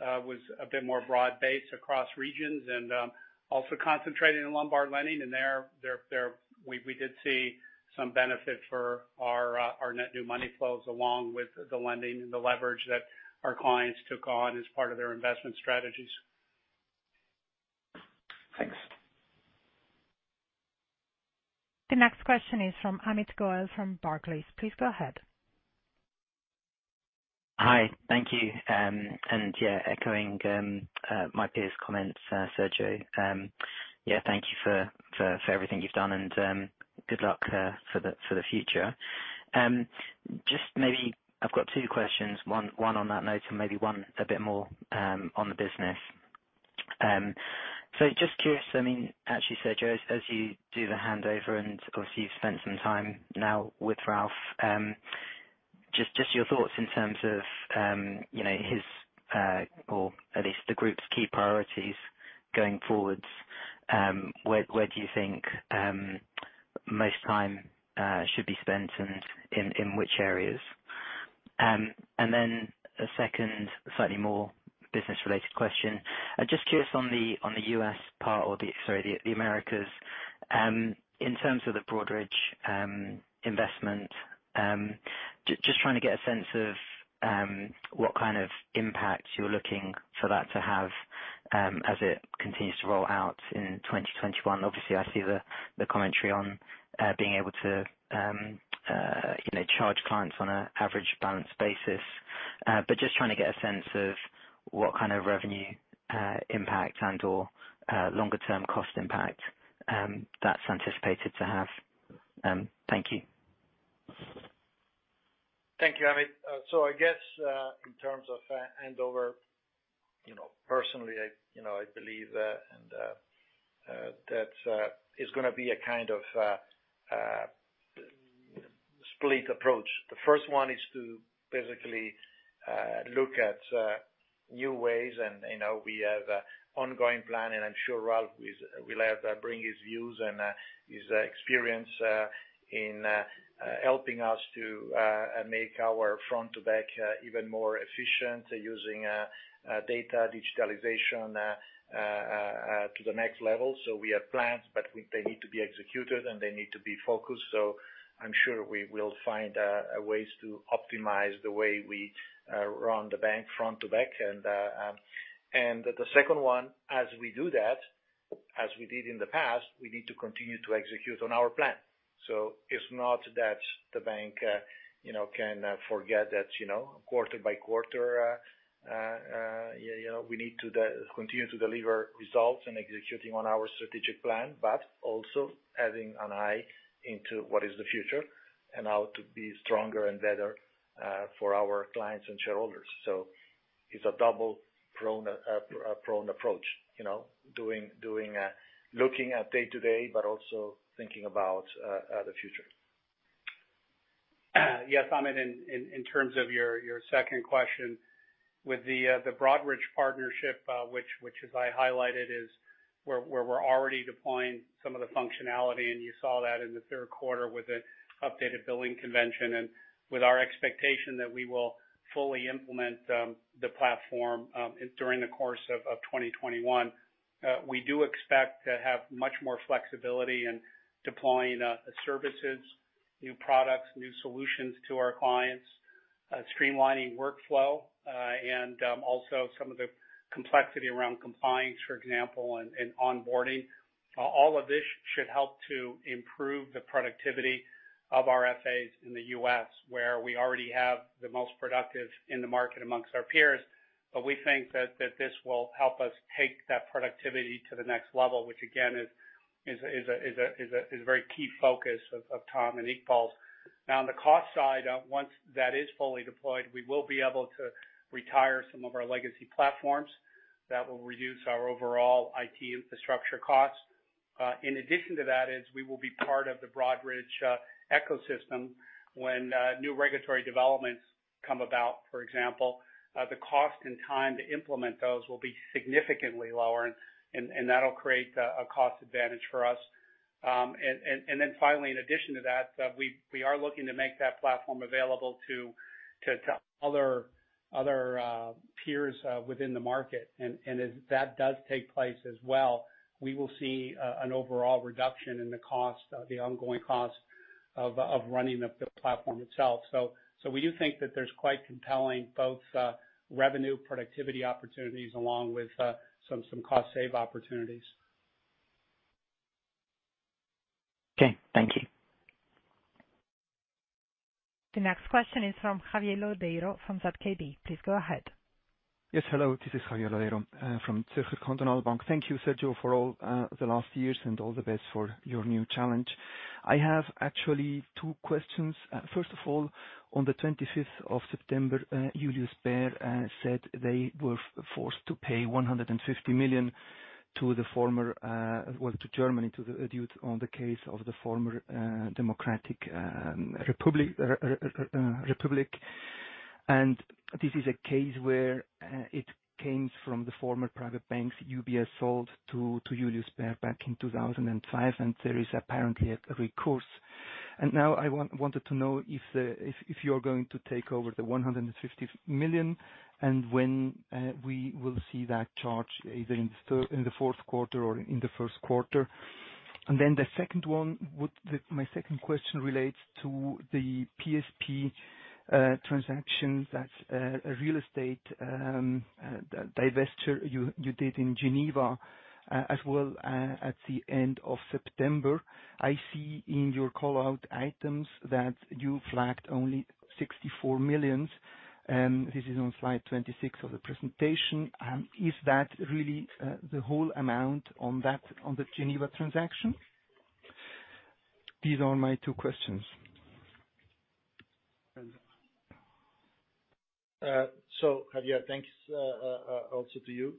was a bit more broad-based across regions and also concentrated in Lombard lending. There we did see some benefit for our net new money flows along with the lending and the leverage that our clients took on as part of their investment strategies. Thanks. The next question is from Amit Goel from Barclays. Please go ahead. Hi. Thank you. Yeah, echoing my peers' comments, Sergio, thank you for everything you've done and good luck for the future. I've got two questions, one on that note and maybe one a bit more on the business. Just curious, actually, Sergio, as you do the handover, and of course, you've spent some time now with Ralph, just your thoughts in terms of his or at least the group's key priorities going forwards. Where do you think most time should be spent and in which areas? Then a second, slightly more business-related question. Just curious on the U.S. part or the, sorry, the Americas, in terms of the Broadridge investment, just trying to get a sense of what kind of impact you're looking for that to have. As it continues to roll out in 2021, obviously I see the commentary on being able to charge clients on an average balance basis. Just trying to get a sense of what kind of revenue impact and/or longer term cost impact that's anticipated to have. Thank you. Thank you, Amit. I guess, in terms of handover, personally, I believe that it's going to be a kind of split approach. The first one is to basically look at new ways, and we have an ongoing plan, and I'm sure Ralph will bring his views and his experience in helping us to make our front to back even more efficient, using data digitalization to the next level. We have plans, but they need to be executed, and they need to be focused. I'm sure we will find ways to optimize the way we run the bank front to back. The second one, as we do that, as we did in the past, we need to continue to execute on our plan. It's not that the bank can forget that quarter-by-quarter, we need to continue to deliver results and executing on our strategic plan, but also having an eye into what is the future and how to be stronger and better for our clients and shareholders. It's a double-pronged approach, looking at day to day, but also thinking about the future. Yes, Amit, in terms of your second question, with the Broadridge partnership, which as I highlighted, is where we're already deploying some of the functionality, and you saw that in the third quarter with the updated billing convention, and with our expectation that we will fully implement the platform during the course of 2021. We do expect to have much more flexibility in deploying services, new products, new solutions to our clients, streamlining workflow, and also some of the complexity around compliance, for example, and onboarding. All of this should help to improve the productivity of our FAs in the U.S., where we already have the most productive in the market amongst our peers. We think that this will help us take that productivity to the next level, which again, is a very key focus of Tom and Iqbal's. On the cost side, once that is fully deployed, we will be able to retire some of our legacy platforms. That will reduce our overall IT infrastructure costs. In addition to that, is we will be part of the Broadridge ecosystem when new regulatory developments come about, for example. The cost and time to implement those will be significantly lower, and that'll create a cost advantage for us. Finally, in addition to that, we are looking to make that platform available to other peers within the market. As that does take place as well, we will see an overall reduction in the ongoing cost of running the platform itself. We do think that there's quite compelling both revenue productivity opportunities along with some cost save opportunities. Okay. Thank you. The next question is from Javier Lodeiro from ZKB. Please go ahead. Yes, hello. This is Javier Lodeiro from Zürcher Kantonalbank. Thank you, Sergio, for all the last years and all the best for your new challenge. I have actually two questions. First of all, on the 25th of September, Julius Baer said they were forced to pay $150 million to Germany on the case of the former Democratic Republic. This is a case where it came from the former private banks UBS sold to Julius Baer back in 2005, and there is apparently a recourse. Now I wanted to know if you're going to take over the $150 million and when we will see that charge, either in the fourth quarter or in the first quarter. The second one, my second question relates to the PSP transaction. That's a real estate divestiture you did in Geneva as well at the end of September. I see in your callout items that you flagged only $64 million, and this is on slide 26 of the presentation. Is that really the whole amount on the Geneva transaction? These are my two questions. Javier, thanks also to you.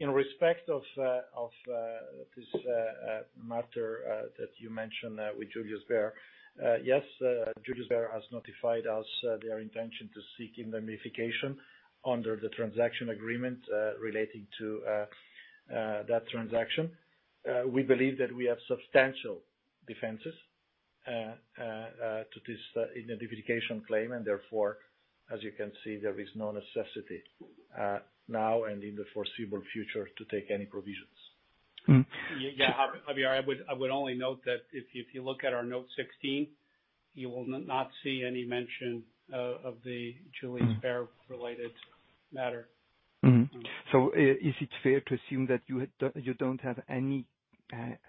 In respect of this matter that you mentioned with Julius Baer, yes, Julius Baer has notified us their intention to seek indemnification under the transaction agreement relating to that transaction. We believe that we have substantial defenses to this indemnification claim, and therefore, as you can see, there is no necessity now and in the foreseeable future to take any provisions. Yeah, Javier, I would only note that if you look at our note 16, you will not see any mention of the Julius Baer related matter. Mm-hmm. Is it fair to assume that you don't have any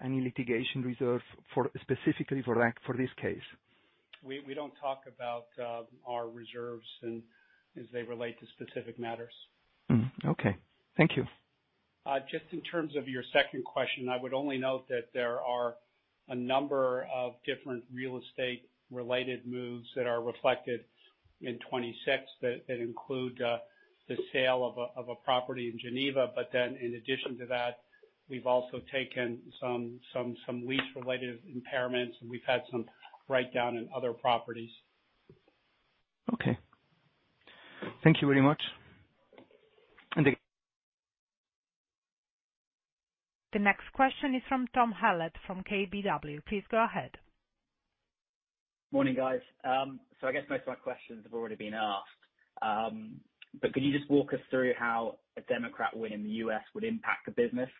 litigation reserve specifically for this case? We don't talk about our reserves as they relate to specific matters. Mm-hmm. Okay. Thank you. Just in terms of your second question, I would only note that there are a number of different real estate related moves that are reflected in 26 that include the sale of a property in Geneva. In addition to that, we've also taken some lease-related impairments, and we've had some write-down in other properties. Okay. Thank you very much. The next question is from Tom Hallett from KBW. Please go ahead. Morning, guys. I guess most of my questions have already been asked. Could you just walk us through how a Democrat win in the U.S. would impact the business?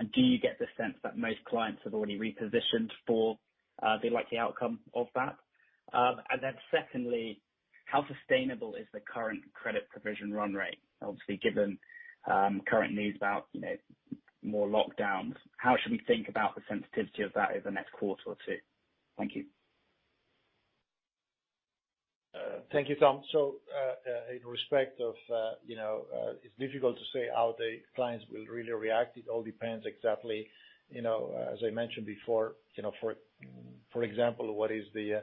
Do you get the sense that most clients have already repositioned for the likely outcome of that? Secondly, how sustainable is the current credit provision run rate, obviously, given current news about more lockdowns? How should we think about the sensitivity of that over the next quarter or two? Thank you. Thank you, Tom. It's difficult to say how the clients will really react. It all depends exactly, as I mentioned before, for example, what is the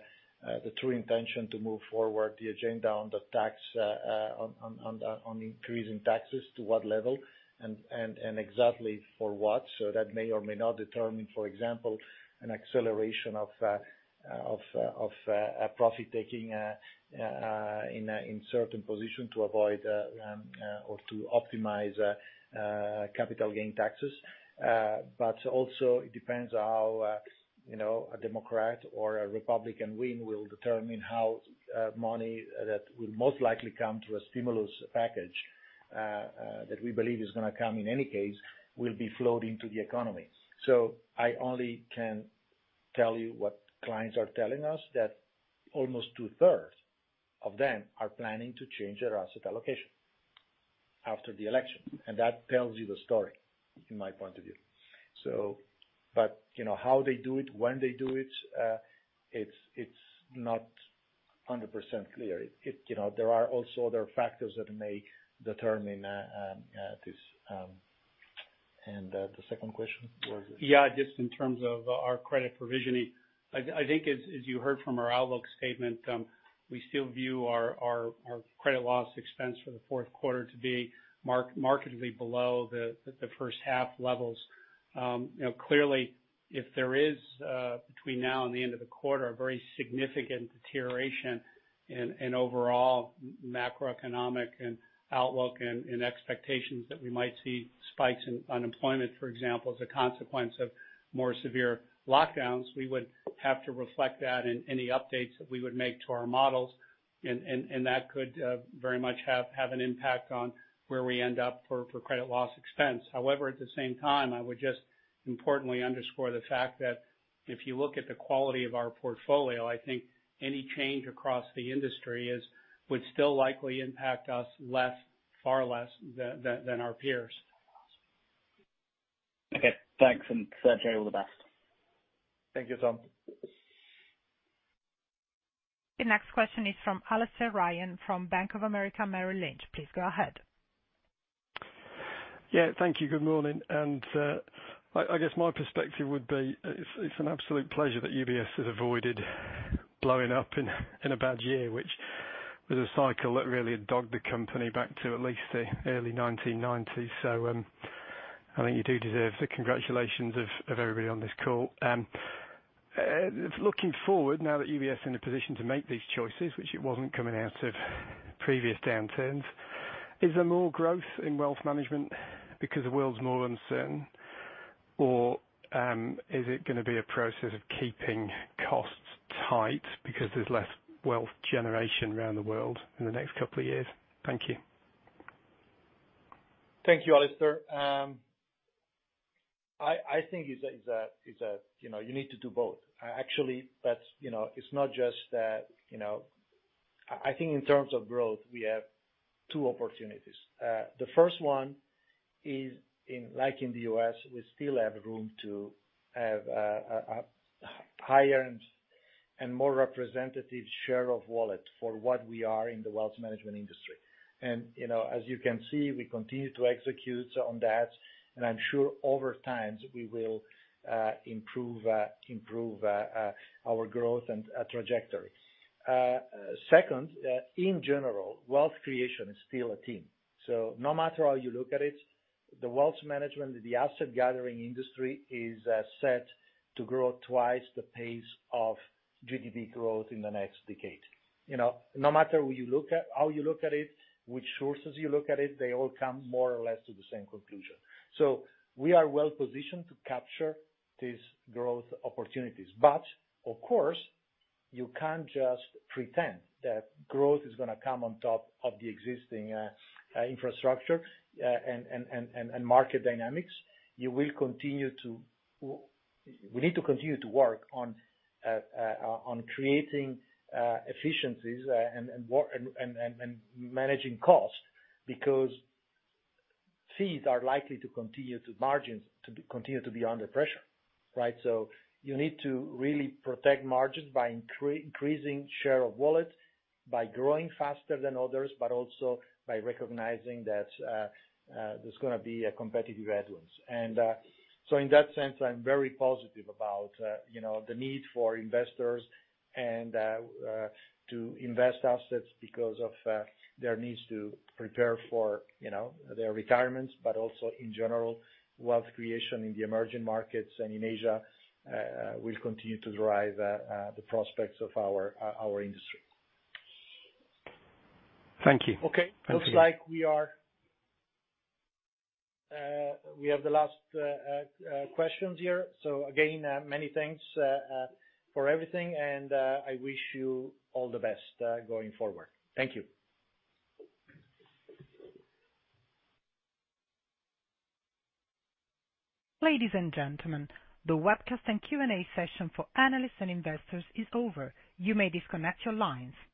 true intention to move forward the agenda on the increase in taxes, to what level, and exactly for what. That may or may not determine, for example, an acceleration of profit-taking in certain position to avoid or to optimize capital gain taxes. Also, it depends how a Democrat or a Republican win will determine how money that will most likely come to a stimulus package, that we believe is going to come in any case, will be flowed into the economy. I only can tell you what clients are telling us, that almost two-thirds of them are planning to change their asset allocation after the election. That tells you the story from my point of view. How they do it, when they do it's not 100% clear. There are also other factors that may determine this. The second question was? Just in terms of our credit provisioning, I think as you heard from our outlook statement, we still view our credit loss expense for the fourth quarter to be markedly below the first half levels. Clearly, if there is, between now and the end of the quarter, a very significant deterioration in overall macroeconomic outlook and expectations that we might see spikes in unemployment, for example, as a consequence of more severe lockdowns, we would have to reflect that in any updates that we would make to our models. That could very much have an impact on where we end up for credit loss expense. However, at the same time, I would just importantly underscore the fact that if you look at the quality of our portfolio, I think any change across the industry would still likely impact us far less than our peers. Okay. Thanks. Sergio, all the best. Thank you, Tom. The next question is from Alastair Ryan from Bank of America Merrill Lynch. Please go ahead. Yeah. Thank you. Good morning. I guess my perspective would be, it's an absolute pleasure that UBS has avoided blowing up in a bad year, which was a cycle that really had dogged the company back to at least the early 1990s. I think you do deserve the congratulations of everybody on this call. Looking forward, now that UBS is in a position to make these choices, which it wasn't coming out of previous downturns, is there more growth in Wealth Management because the world's more uncertain? Is it going to be a process of keeping costs tight because there's less wealth generation around the world in the next couple of years? Thank you. Thank you, Alastair. I think it's that you need to do both. I think in terms of growth, we have two opportunities. The first one is, like in the U.S., we still have room to have a higher and more representative share of wallet for what we are in the wealth management industry. As you can see, we continue to execute on that, and I'm sure over time we will improve our growth and trajectory. Second, in general, wealth creation is still a theme. No matter how you look at it, the wealth management, the asset gathering industry, is set to grow twice the pace of GDP growth in the next decade. No matter how you look at it, which sources you look at, they all come more or less to the same conclusion. We are well-positioned to capture these growth opportunities. Of course, you can't just pretend that growth is going to come on top of the existing infrastructure and market dynamics. We need to continue to work on creating efficiencies and managing costs because fees are likely to continue to margins, to continue to be under pressure, right? You need to really protect margins by increasing share of wallet, by growing faster than others, but also by recognizing that there's going to be a competitive headwind. In that sense, I'm very positive about the need for investors and to invest assets because of their needs to prepare for their retirements, but also in general, wealth creation in the emerging markets and in Asia will continue to drive the prospects of our industry. Thank you. Okay. Looks like we have the last questions here. Again, many thanks for everything, and I wish you all the best going forward. Thank you. Ladies and gentlemen, the webcast and Q&A session for analysts and investors is over. You may disconnect your lines.